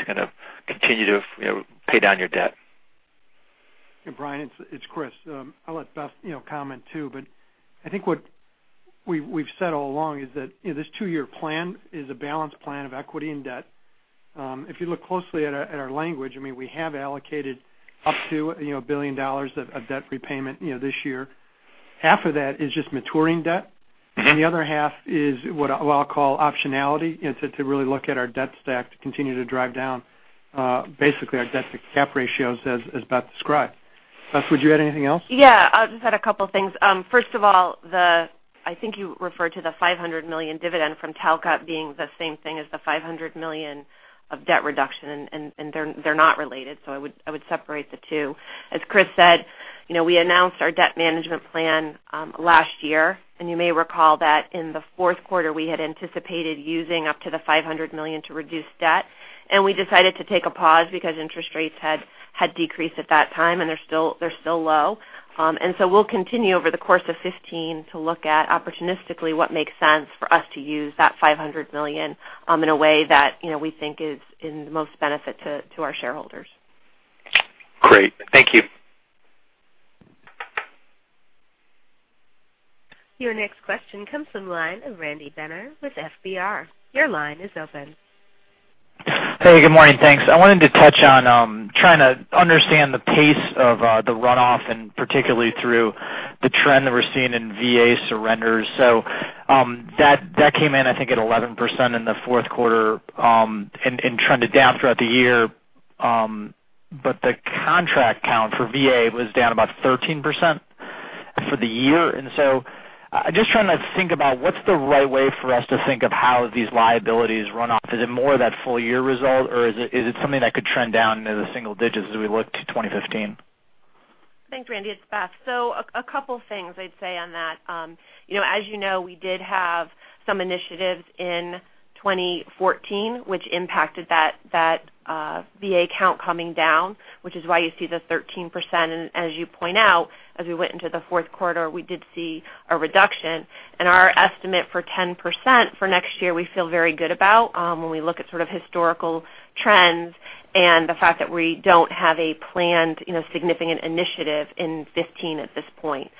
continue to pay down your debt? Brian, it's Chris. I'll let Beth comment, too, but I think what we've said all along is that this two-year plan is a balanced plan of equity and debt. If you look closely at our language, we have allocated up to $1 billion of debt repayment this year. Half of that is just maturing debt. The other half is what I'll call optionality, to really look at our debt stack to continue to drive down basically our debt-to-cap ratios, as Beth described. Beth, would you add anything else? Yeah. I just had a couple things. First of all, I think you referred to the $500 million dividend from Talcott being the same thing as the $500 million of debt reduction. They're not related, so I would separate the two. As Chris said, we announced our debt management plan last year. You may recall that in the fourth quarter, we had anticipated using up to the $500 million to reduce debt. We decided to take a pause because interest rates had decreased at that time. They're still low. We'll continue over the course of 2015 to look at opportunistically what makes sense for us to use that $500 million in a way that we think is in the most benefit to our shareholders. Great. Thank you. Your next question comes from the line of Randy Binner with FBR. Your line is open. Hey, good morning. Thanks. I wanted to touch on trying to understand the pace of the runoff, and particularly through the trend that we're seeing in VA surrenders. That came in, I think, at 11% in the fourth quarter and trended down throughout the year. The contract count for VA was down about 13% for the year. I'm just trying to think about what's the right way for us to think of how these liabilities run off. Is it more that full-year result, or is it something that could trend down into the single digits as we look to 2015? Thanks, Randy. It's Beth. A couple things I'd say on that. As you know, we did have some initiatives in 2014 which impacted that VA count coming down, which is why you see the 13%. As you point out, as we went into the fourth quarter, we did see a reduction. Our estimate for 10% for next year we feel very good about when we look at sort of historical trends and the fact that we don't have a planned significant initiative in 2015 at this point.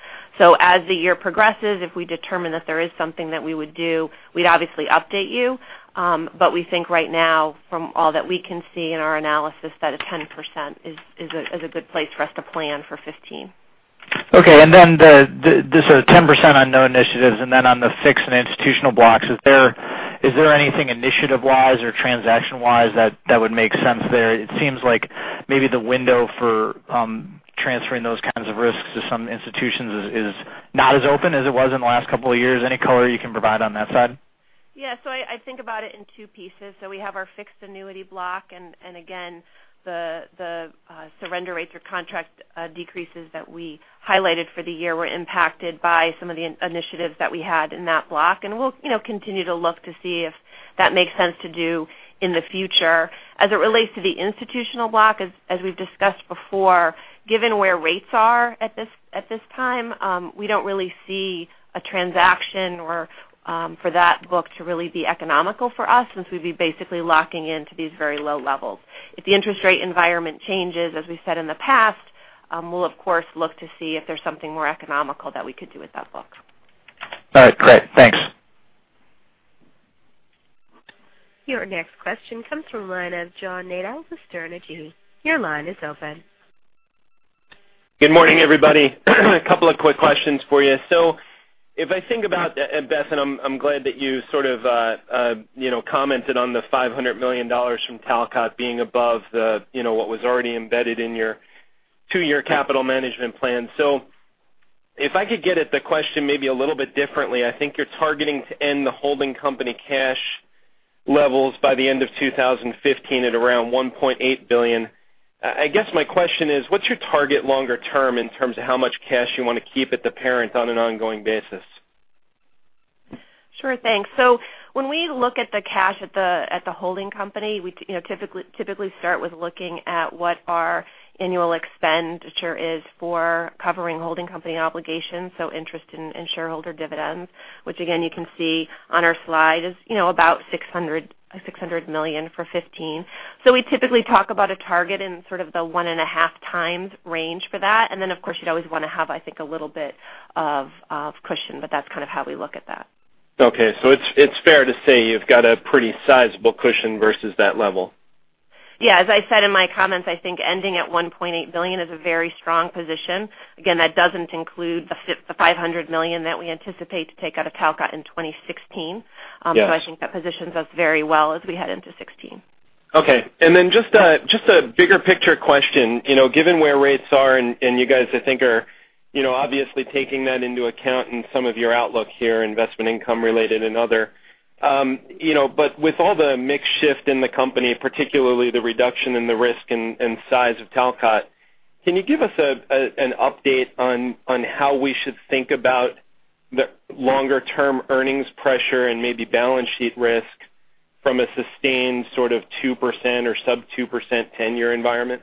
As the year progresses, if we determine that there is something that we would do, we'd obviously update you. We think right now from all that we can see in our analysis, that a 10% is a good place for us to plan for 2015. Okay. The 10% on no initiatives, and then on the fixed and institutional blocks, is there anything initiative-wise or transaction-wise that would make sense there? It seems like maybe the window for transferring those kinds of risks to some institutions is not as open as it was in the last couple of years. Any color you can provide on that side? Yeah. I think about it in two pieces. We have our fixed annuity block, and again, the surrender rates or contract decreases that we highlighted for the year were impacted by some of the initiatives that we had in that block. We'll continue to look to see if that makes sense to do in the future. As it relates to the institutional block, as we've discussed before, given where rates are at this time, we don't really see a transaction or for that book to really be economical for us, since we'd be basically locking into these very low levels. If the interest rate environment changes, as we said in the past, we'll of course look to see if there's something more economical that we could do with that book. All right, great. Thanks. Your next question comes from the line of John Nadel with Sterne Agee. Your line is open. Good morning, everybody. A couple of quick questions for you. If I think about, Beth, and I'm glad that you sort of commented on the $500 million from Talcott being above what was already embedded in your two-year capital management plan. If I could get at the question maybe a little bit differently, I think you're targeting to end the holding company cash levels by the end of 2015 at around $1.8 billion. I guess my question is, what's your target longer term in terms of how much cash you want to keep at the parent on an ongoing basis? Sure. Thanks. When we look at the cash at the holding company, we typically start with looking at what our annual expenditure is for covering holding company obligations, so interest in shareholder dividends, which again, you can see on our slide is about $600 million for 2015. We typically talk about a target in sort of the 1.5 times range for that. Then, of course, you'd always want to have, I think, a little bit of cushion, but that's kind of how we look at that. Okay. It's fair to say you've got a pretty sizable cushion versus that level. Yeah. As I said in my comments, I think ending at $1.8 billion is a very strong position. Again, that doesn't include the $500 million that we anticipate to take out of Talcott in 2016. Yes. I think that positions us very well as we head into 2016. Okay. Just a bigger picture question. Given where rates are, you guys, I think, are obviously taking that into account in some of your outlook here, investment income-related and other. With all the mix shift in the company, particularly the reduction in the risk and size of Talcott, can you give us an update on how we should think about the longer-term earnings pressure and maybe balance sheet risk from a sustained sort of 2% or sub 2% 10-year environment?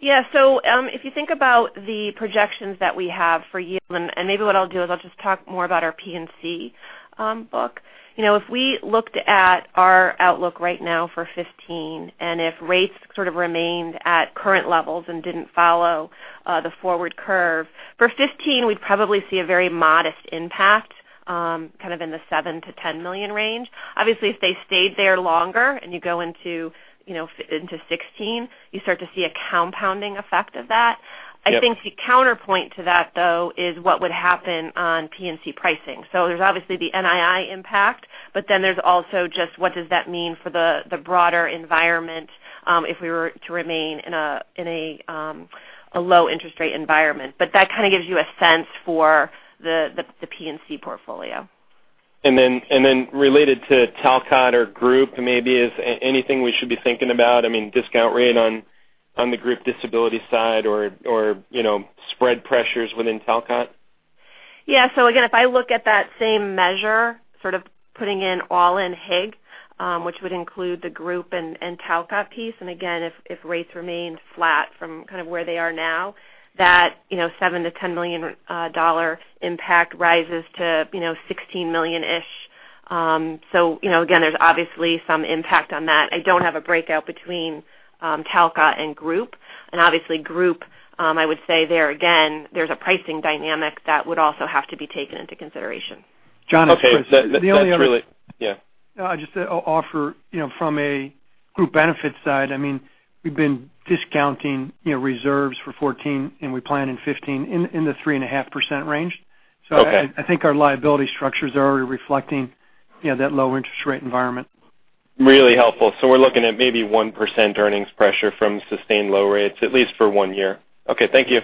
Yeah. If you think about the projections that we have for yield, maybe what I'll do is I'll just talk more about our P&C book. If we looked at our outlook right now for 2015, and if rates sort of remained at current levels and didn't follow the forward curve, for 2015, we'd probably see a very modest impact, kind of in the $7 million to $10 million range. Obviously, if they stayed there longer and you go into 2016, you start to see a compounding effect of that. Yeah. I think the counterpoint to that, though, is what would happen on P&C pricing. There's obviously the NII impact, there's also just what does that mean for the broader environment, if we were to remain in a low interest rate environment. That kind of gives you a sense for the P&C portfolio. Related to Talcott or Group, maybe is anything we should be thinking about, I mean, discount rate on the Group Disability side or spread pressures within Talcott? Again, if I look at that same measure, sort of putting in all-in HIG, which would include the Group and Talcott piece, again, if rates remain flat from kind of where they are now, that $7 million-$10 million impact rises to $16 million. Again, there's obviously some impact on that. I don't have a breakout between Talcott and Group. Obviously Group, I would say there again, there's a pricing dynamic that would also have to be taken into consideration. That's really. John, it's Chris. Yeah. I'll just offer from a group benefits side, we've been discounting reserves for 2014, we plan in 2015 in the 3.5% range. Okay. I think our liability structures are already reflecting that low interest rate environment. Really helpful. We're looking at maybe 1% earnings pressure from sustained low rates, at least for one year. Okay. Thank you.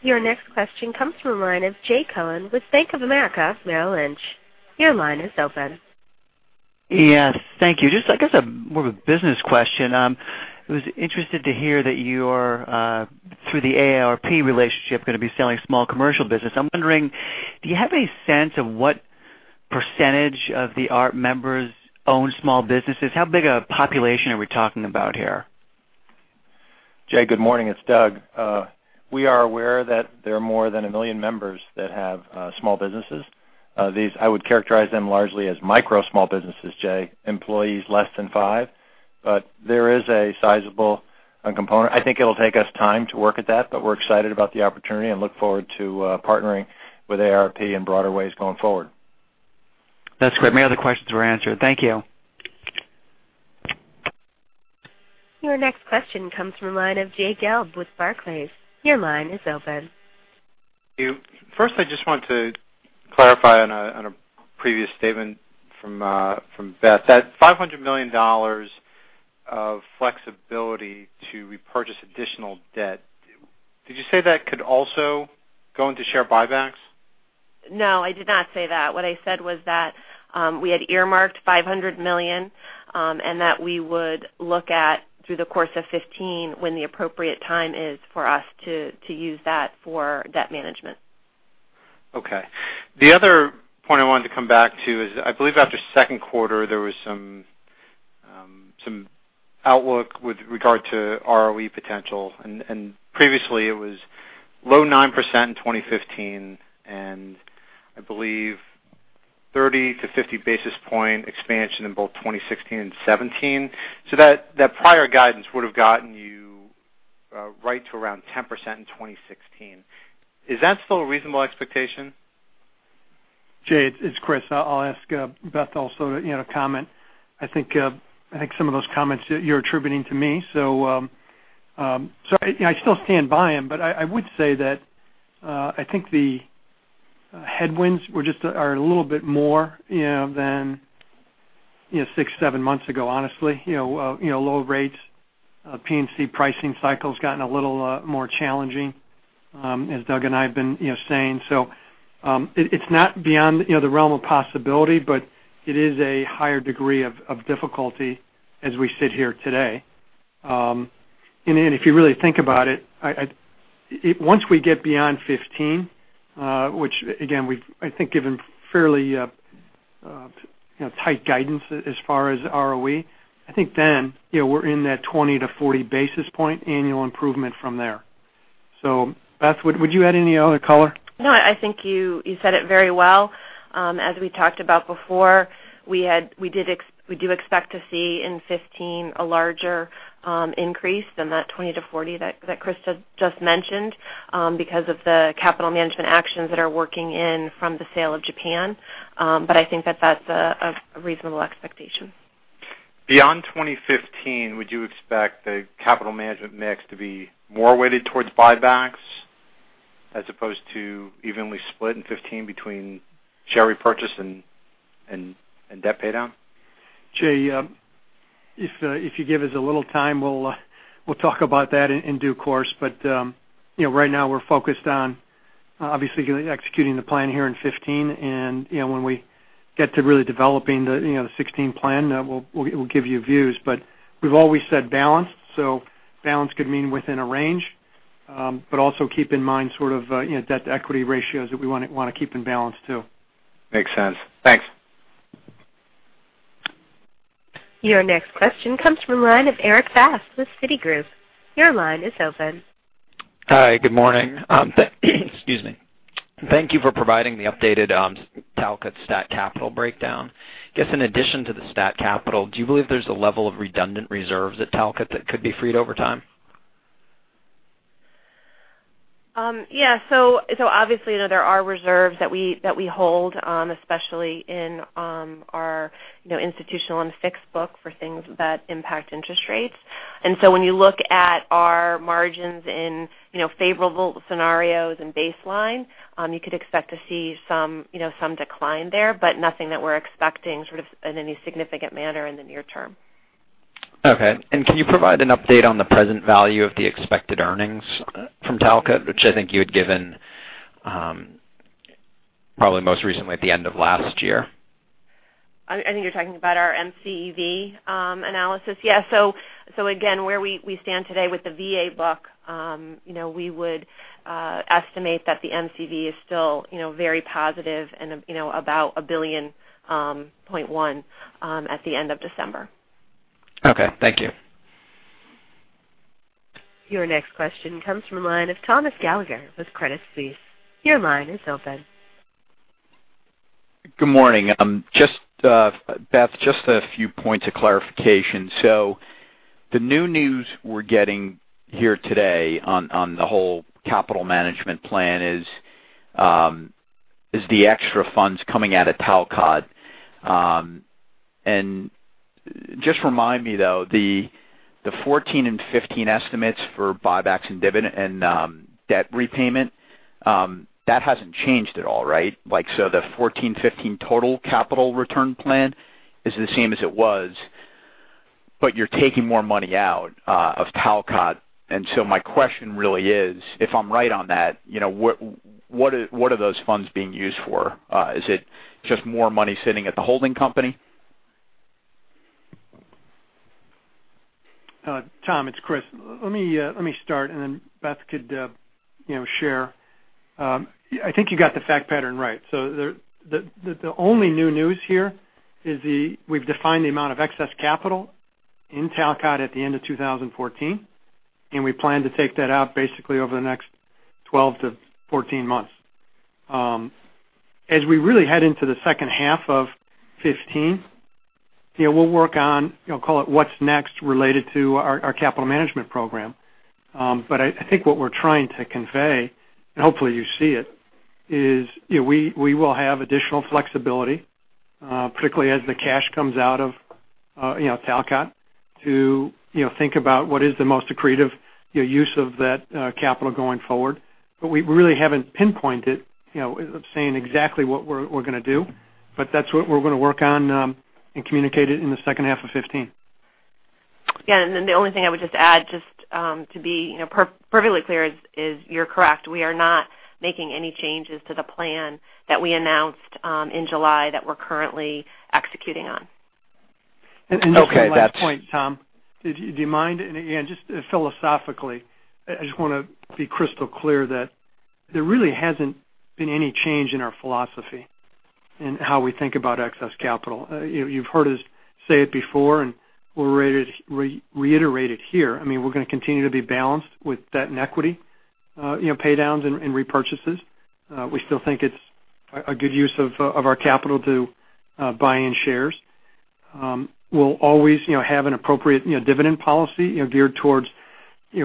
Your next question comes from the line of Jay Cohen with Bank of America Merrill Lynch. Your line is open. Yes. Thank you. Just I guess more of a business question. I was interested to hear that you're, through the AARP relationship, going to be selling small commercial business. I'm wondering, do you have a sense of what percentage of the AARP members own small businesses? How big a population are we talking about here? Jay, good morning. It's Doug. We are aware that there are more than 1 million members that have small businesses. These, I would characterize them largely as micro small businesses, Jay. Employees less than five. There is a sizable component. I think it'll take us time to work at that, but we're excited about the opportunity and look forward to partnering with AARP in broader ways going forward. That's great. My other questions were answered. Thank you. Your next question comes from the line of Jay Gelb with Barclays. Your line is open. First, I just want to clarify on a previous statement from Beth. That $500 million of flexibility to repurchase additional debt, did you say that could also go into share buybacks? No, I did not say that. What I said was that we had earmarked $500 million, that we would look at through the course of 2015 when the appropriate time is for us to use that for debt management. Okay. The other point I wanted to come back to is, I believe after the second quarter, there was some outlook with regard to ROE potential. Previously it was low 9% in 2015. I believe 30-50 basis point expansion in both 2016 and 2017. That prior guidance would have gotten you right to around 10% in 2016. Is that still a reasonable expectation? Jay, it's Chris. I'll ask Beth also to comment. I think some of those comments you're attributing to me. I still stand by them, but I would say that I think the headwinds are a little bit more than six, seven months ago, honestly. Low rates, P&C pricing cycle has gotten a little more challenging as Doug and I have been saying. It's not beyond the realm of possibility, but it is a higher degree of difficulty as we sit here today. If you really think about it, once we get beyond 2015, which again, we've I think given fairly tight guidance as far as ROE, I think then we're in that 20-40 basis point annual improvement from there. Beth, would you add any other color? No, I think you said it very well. As we talked about before, we do expect to see in 2015 a larger increase than that 20-40 that Chris just mentioned because of the capital management actions that are working in from the sale of Japan. I think that that's a reasonable expectation. Beyond 2015, would you expect the capital management mix to be more weighted towards buybacks as opposed to evenly split in 2015 between share repurchase and debt paydown? Jay, if you give us a little time, we'll talk about that in due course. Right now we're focused on obviously executing the plan here in 2015. When we get to really developing the 2016 plan, we'll give you views. We've always said balanced, so balanced could mean within a range. Also keep in mind sort of debt-to-equity ratios that we want to keep in balance too. Makes sense. Thanks. Your next question comes from the line of Erik Bass with Citigroup. Your line is open. Hi, good morning. Excuse me. Thank you for providing the updated Talcott stat capital breakdown. I guess in addition to the stat capital, do you believe there's a level of redundant reserves at Talcott that could be freed over time? Yeah. Obviously, there are reserves that we hold, especially in our institutional and fixed book for things that impact interest rates. When you look at our margins in favorable scenarios and baseline, you could expect to see some decline there, but nothing that we're expecting sort of in any significant manner in the near term. Okay. Can you provide an update on the present value of the expected earnings from Talcott, which I think you had given probably most recently at the end of last year? I think you're talking about our MCEV analysis. Yeah. Again, where we stand today with the VA book, we would estimate that the MCEV is still very positive and about $1.1 billion at the end of December. Okay, thank you. Your next question comes from the line of Thomas Gallagher with Credit Suisse. Your line is open. Good morning. Beth, just a few points of clarification. The new news we're getting here today on the whole capital management plan is the extra funds coming out of Talcott. Just remind me, though, the 2014 and 2015 estimates for buybacks and dividend and debt repayment, that hasn't changed at all, right? The 2014, 2015 total capital return plan is the same as it was, you're taking more money out of Talcott. My question really is, if I'm right on that, what are those funds being used for? Is it just more money sitting at the holding company? Tom, it's Chris. Let me start, and then Beth could share. I think you got the fact pattern right. The only new news here is we've defined the amount of excess capital in Talcott at the end of 2014, and we plan to take that out basically over the next 12 to 14 months. As we really head into the second half of 2015, we'll work on, call it what's next related to our capital management program. I think what we're trying to convey, and hopefully you see it, is we will have additional flexibility, particularly as the cash comes out of Talcott, to think about what is the most accretive use of that capital going forward. We really haven't pinpointed, saying exactly what we're going to do, that's what we're going on and communicate it in the second half of 2015. Yeah. The only thing I would just add, just to be perfectly clear, is you're correct. We are not making any changes to the plan that we announced in July that we're currently executing on. Just one last point, Tom, do you mind? Again, just philosophically, I just want to be crystal clear that there really hasn't been any change in our philosophy in how we think about excess capital. You've heard us say it before, and we'll reiterate it here. I mean, we're going to continue to be balanced with debt and equity, pay downs and repurchases. We still think it's a good use of our capital to buy in shares. We'll always have an appropriate dividend policy geared towards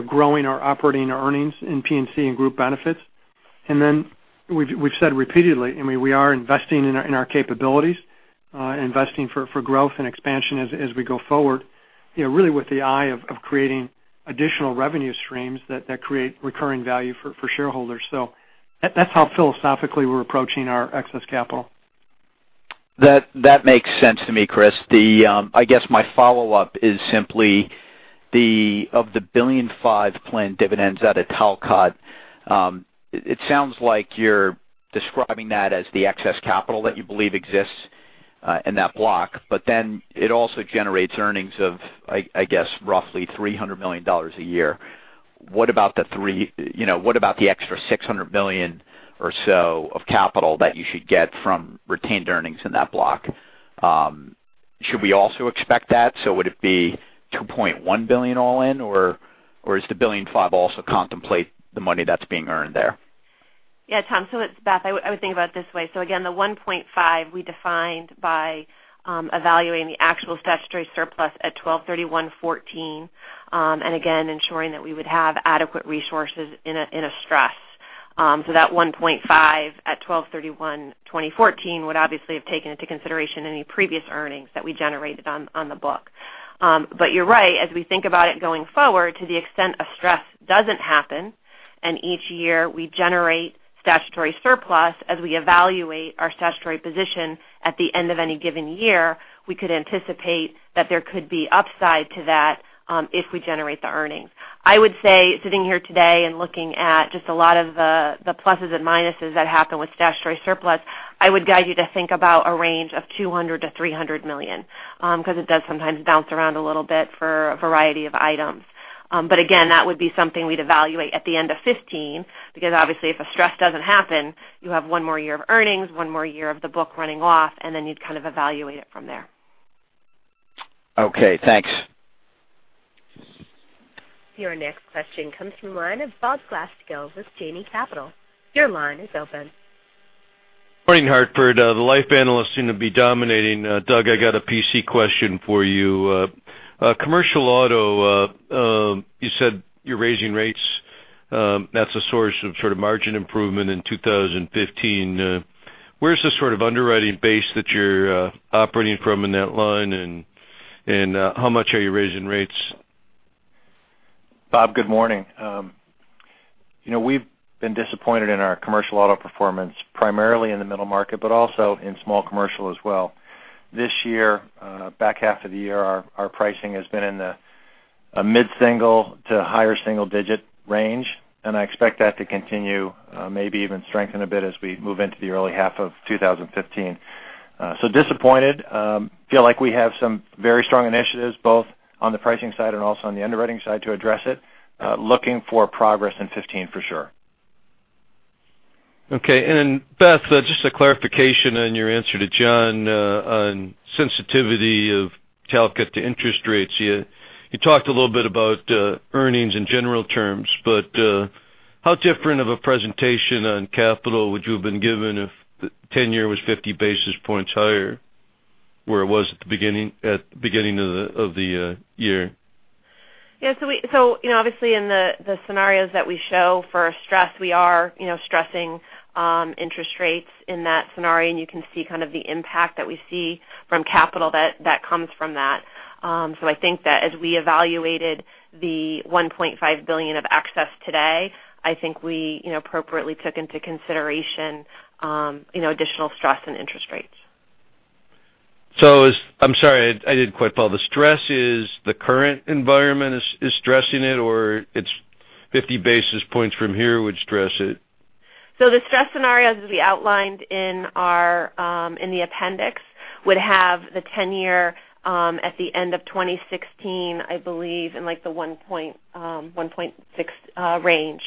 growing our operating earnings in P&C and group benefits. We've said repeatedly, we are investing in our capabilities, investing for growth and expansion as we go forward, really with the eye of creating additional revenue streams that create recurring value for shareholders. That's how philosophically we're approaching our excess capital. That makes sense to me, Chris. I guess my follow-up is simply of the $1.5 billion planned dividends out of Talcott, it sounds like you're describing that as the excess capital that you believe exists in that block, but then it also generates earnings of, I guess, roughly $300 million a year. What about the extra $600 million or so of capital that you should get from retained earnings in that block? Should we also expect that? Would it be $2.1 billion all in, or does the $1.5 billion also contemplate the money that's being earned there? Yeah, Tom. It's Beth. I would think about it this way. Again, the $1.5 billion we defined by evaluating the actual statutory surplus at 12/31/2014, and again, ensuring that we would have adequate resources in a stress. That $1.5 billion at 12/31/2014 would obviously have taken into consideration any previous earnings that we generated on the book. You're right. As we think about it going forward to the extent a stress doesn't happen, and each year we generate statutory surplus as we evaluate our statutory position at the end of any given year, we could anticipate that there could be upside to that if we generate the earnings. I would say sitting here today and looking at just a lot of the pluses and minuses that happen with statutory surplus, I would guide you to think about a range of $200 million-$300 million, because it does sometimes bounce around a little bit for a variety of items. Again, that would be something we'd evaluate at the end of 2015, because obviously if a stress doesn't happen, you have one more year of earnings, one more year of the book running off, and then you'd kind of evaluate it from there. Okay, thanks. Your next question comes from the line of Bob Glasspiegel with Janney Capital. Your line is open. Morning, The Hartford. The life analysts seem to be dominating. Doug, I got a P&C question for you. Commercial auto, you said you're raising rates. That's a source of sort of margin improvement in 2015. Where's the sort of underwriting base that you're operating from in that line, and how much are you raising rates? Bob, good morning. We've been disappointed in our commercial auto performance, primarily in the middle market, but also in small commercial as well. This year, back half of the year, our pricing has been in the mid-single to higher single-digit range, and I expect that to continue, maybe even strengthen a bit as we move into the early half of 2015. Disappointed. Feel like we have some very strong initiatives, both on the pricing side and also on the underwriting side to address it. Looking for progress in 2015 for sure. Okay. Beth, just a clarification on your answer to John on sensitivity of Talcott to interest rates. You talked a little bit about earnings in general terms, but how different of a presentation on capital would you have been given if the 10-year was 50 basis points higher where it was at the beginning of the year? Yeah. Obviously in the scenarios that we show for our stress, we are stressing interest rates in that scenario, you can see kind of the impact that we see from capital that comes from that. I think that as we evaluated the $1.5 billion of excess today, I think we appropriately took into consideration additional stress and interest rates. I'm sorry, I didn't quite follow. The stress is the current environment is stressing it or it's 50 basis points from here would stress it? The stress scenarios, as we outlined in the appendix, would have the tenure at the end of 2016, I believe in like the 1.6 range.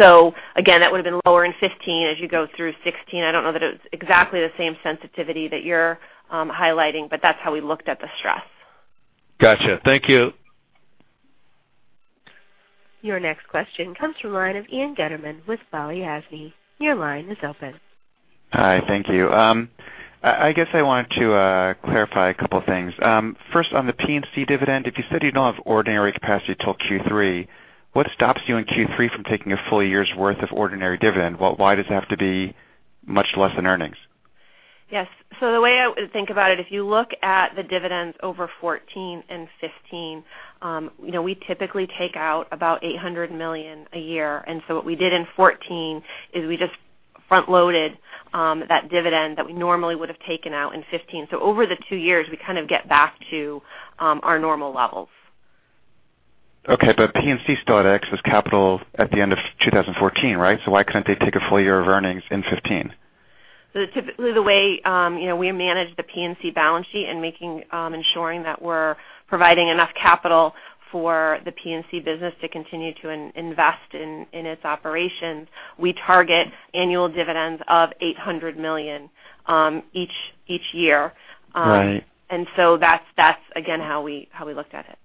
Again, that would have been lower in 2015 as you go through 2016. I don't know that it's exactly the same sensitivity that you're highlighting, but that's how we looked at the stress. Got you. Thank you. Your next question comes from the line of Ian Gutterman with Balyasny Asset Management. Your line is open. Hi, thank you. I guess I wanted to clarify a couple of things. First, on the P&C dividend, if you said you don't have ordinary capacity till Q3, what stops you in Q3 from taking a full year's worth of ordinary dividend? Why does it have to be much less than earnings? Yes. The way I think about it, if you look at the dividends over 2014 and 2015, we typically take out about $800 million a year. What we did in 2014 is we just front-loaded that dividend that we normally would have taken out in 2015. Over the two years, we kind of get back to our normal levels. Okay, P&C still had excess capital at the end of 2014, right? Why couldn't they take a full year of earnings in 2015? Typically the way we manage the P&C balance sheet and ensuring that we're providing enough capital for the P&C business to continue to invest in its operations, we target annual dividends of $800 million each year. Right. That's, again, how we looked at it.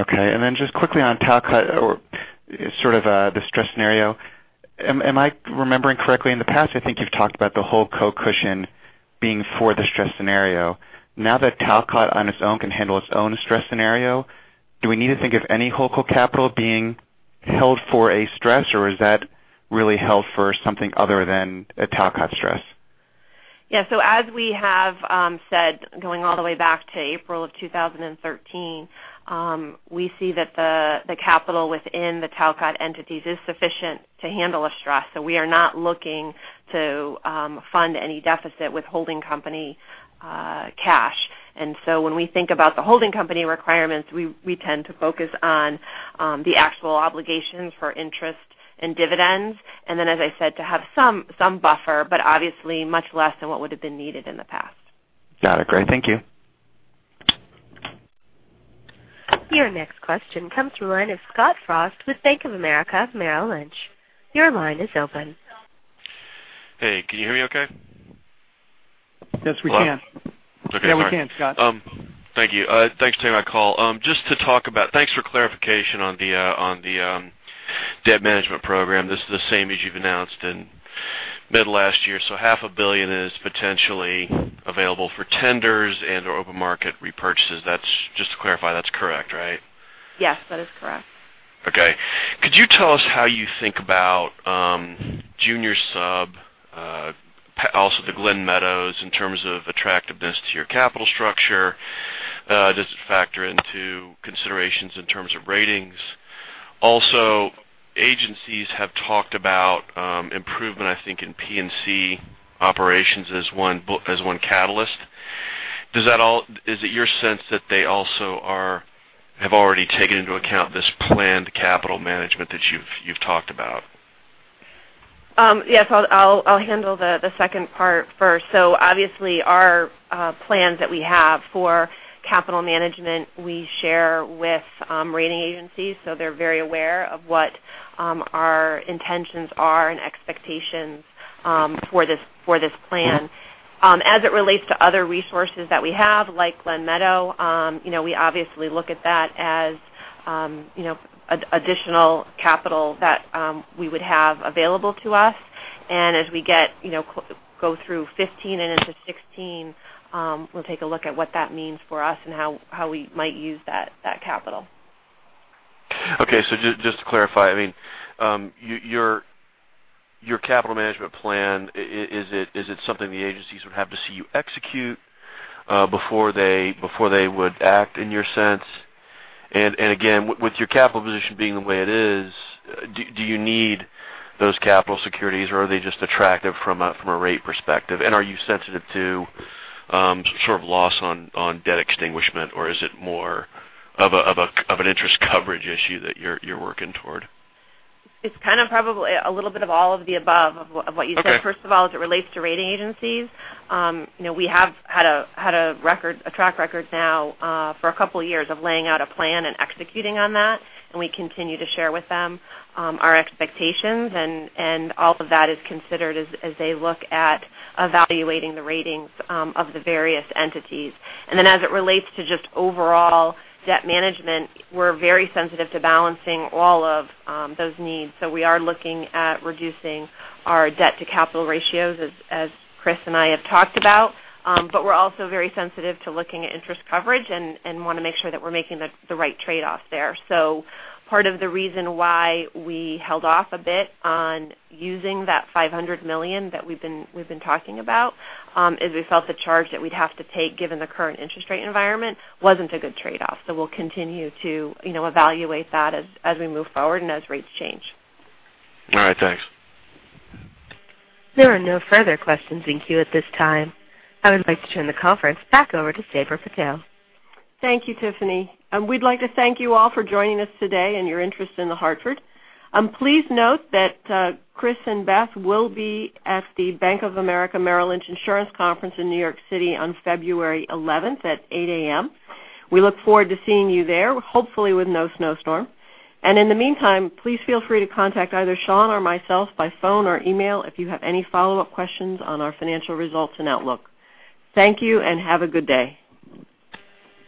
Okay. Just quickly on Talcott or sort of the stress scenario. Am I remembering correctly? In the past, I think you've talked about the whole co-cushion being for the stress scenario. Now that Talcott on its own can handle its own stress scenario, do we need to think of any whole co-capital being held for a stress or is that really held for something other than a Talcott stress? Yeah. As we have said, going all the way back to April of 2013, we see that the capital within the Talcott entities is sufficient to handle a stress. We are not looking to fund any deficit with holding company cash. When we think about the holding company requirements, we tend to focus on the actual obligations for interest and dividends. Then, as I said, to have some buffer, but obviously much less than what would have been needed in the past. Got it. Great. Thank you. Your next question comes through the line of Scott Frost with Bank of America Merrill Lynch. Your line is open. Hey, can you hear me okay? Yes, we can. Hello? Okay. Sorry. Yeah, we can, Scott. Thank you. Thanks for taking my call. Thanks for clarification on the debt management program. This is the same as you've announced in mid last year. Half a billion dollars is potentially available for tenders and/or open market repurchases. Just to clarify, that's correct, right? Yes, that is correct. Okay. Could you tell us how you think about junior sub, also the Glen Meadow, in terms of attractiveness to your capital structure? Does it factor into considerations in terms of ratings? Agencies have talked about improvement, I think, in P&C operations as one catalyst. Is it your sense that they also have already taken into account this planned capital management that you've talked about? Yes, I'll handle the second part first. Obviously our plans that we have for capital management, we share with rating agencies, so they're very aware of what our intentions are and expectations for this plan. As it relates to other resources that we have, like Glen Meadow, we obviously look at that as additional capital that we would have available to us. As we go through 2015 and into 2016, we'll take a look at what that means for us and how we might use that capital. Just to clarify, your capital management plan, is it something the agencies would have to see you execute before they would act in your sense? Again, with your capital position being the way it is, do you need those capital securities or are they just attractive from a rate perspective? Are you sensitive to some sort of loss on debt extinguishment or is it more of an interest coverage issue that you're working toward? It's kind of probably a little bit of all of the above of what you said. Okay. First of all, as it relates to rating agencies, we have had a track record now for a couple of years of laying out a plan and executing on that, we continue to share with them our expectations, all of that is considered as they look at evaluating the ratings of the various entities. Then as it relates to just overall debt management, we're very sensitive to balancing all of those needs. We are looking at reducing our debt to capital ratios as Chris and I have talked about. We're also very sensitive to looking at interest coverage and want to make sure that we're making the right trade-off there. Part of the reason why we held off a bit on using that $500 million that we've been talking about, is we felt the charge that we'd have to take given the current interest rate environment wasn't a good trade-off. We'll continue to evaluate that as we move forward and as rates change. All right. Thanks. There are no further questions in queue at this time. I would like to turn the conference back over to Sabra Purtill. Thank you, Tiffany. We'd like to thank you all for joining us today and your interest in The Hartford. Please note that Chris and Beth will be at the Bank of America Merrill Lynch Insurance Conference in New York City on February 11th at 8:00 A.M. We look forward to seeing you there, hopefully with no snowstorm. In the meantime, please feel free to contact either Sean or myself by phone or email if you have any follow-up questions on our financial results and outlook. Thank you, and have a good day.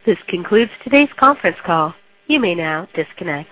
This concludes today's conference call. You may now disconnect.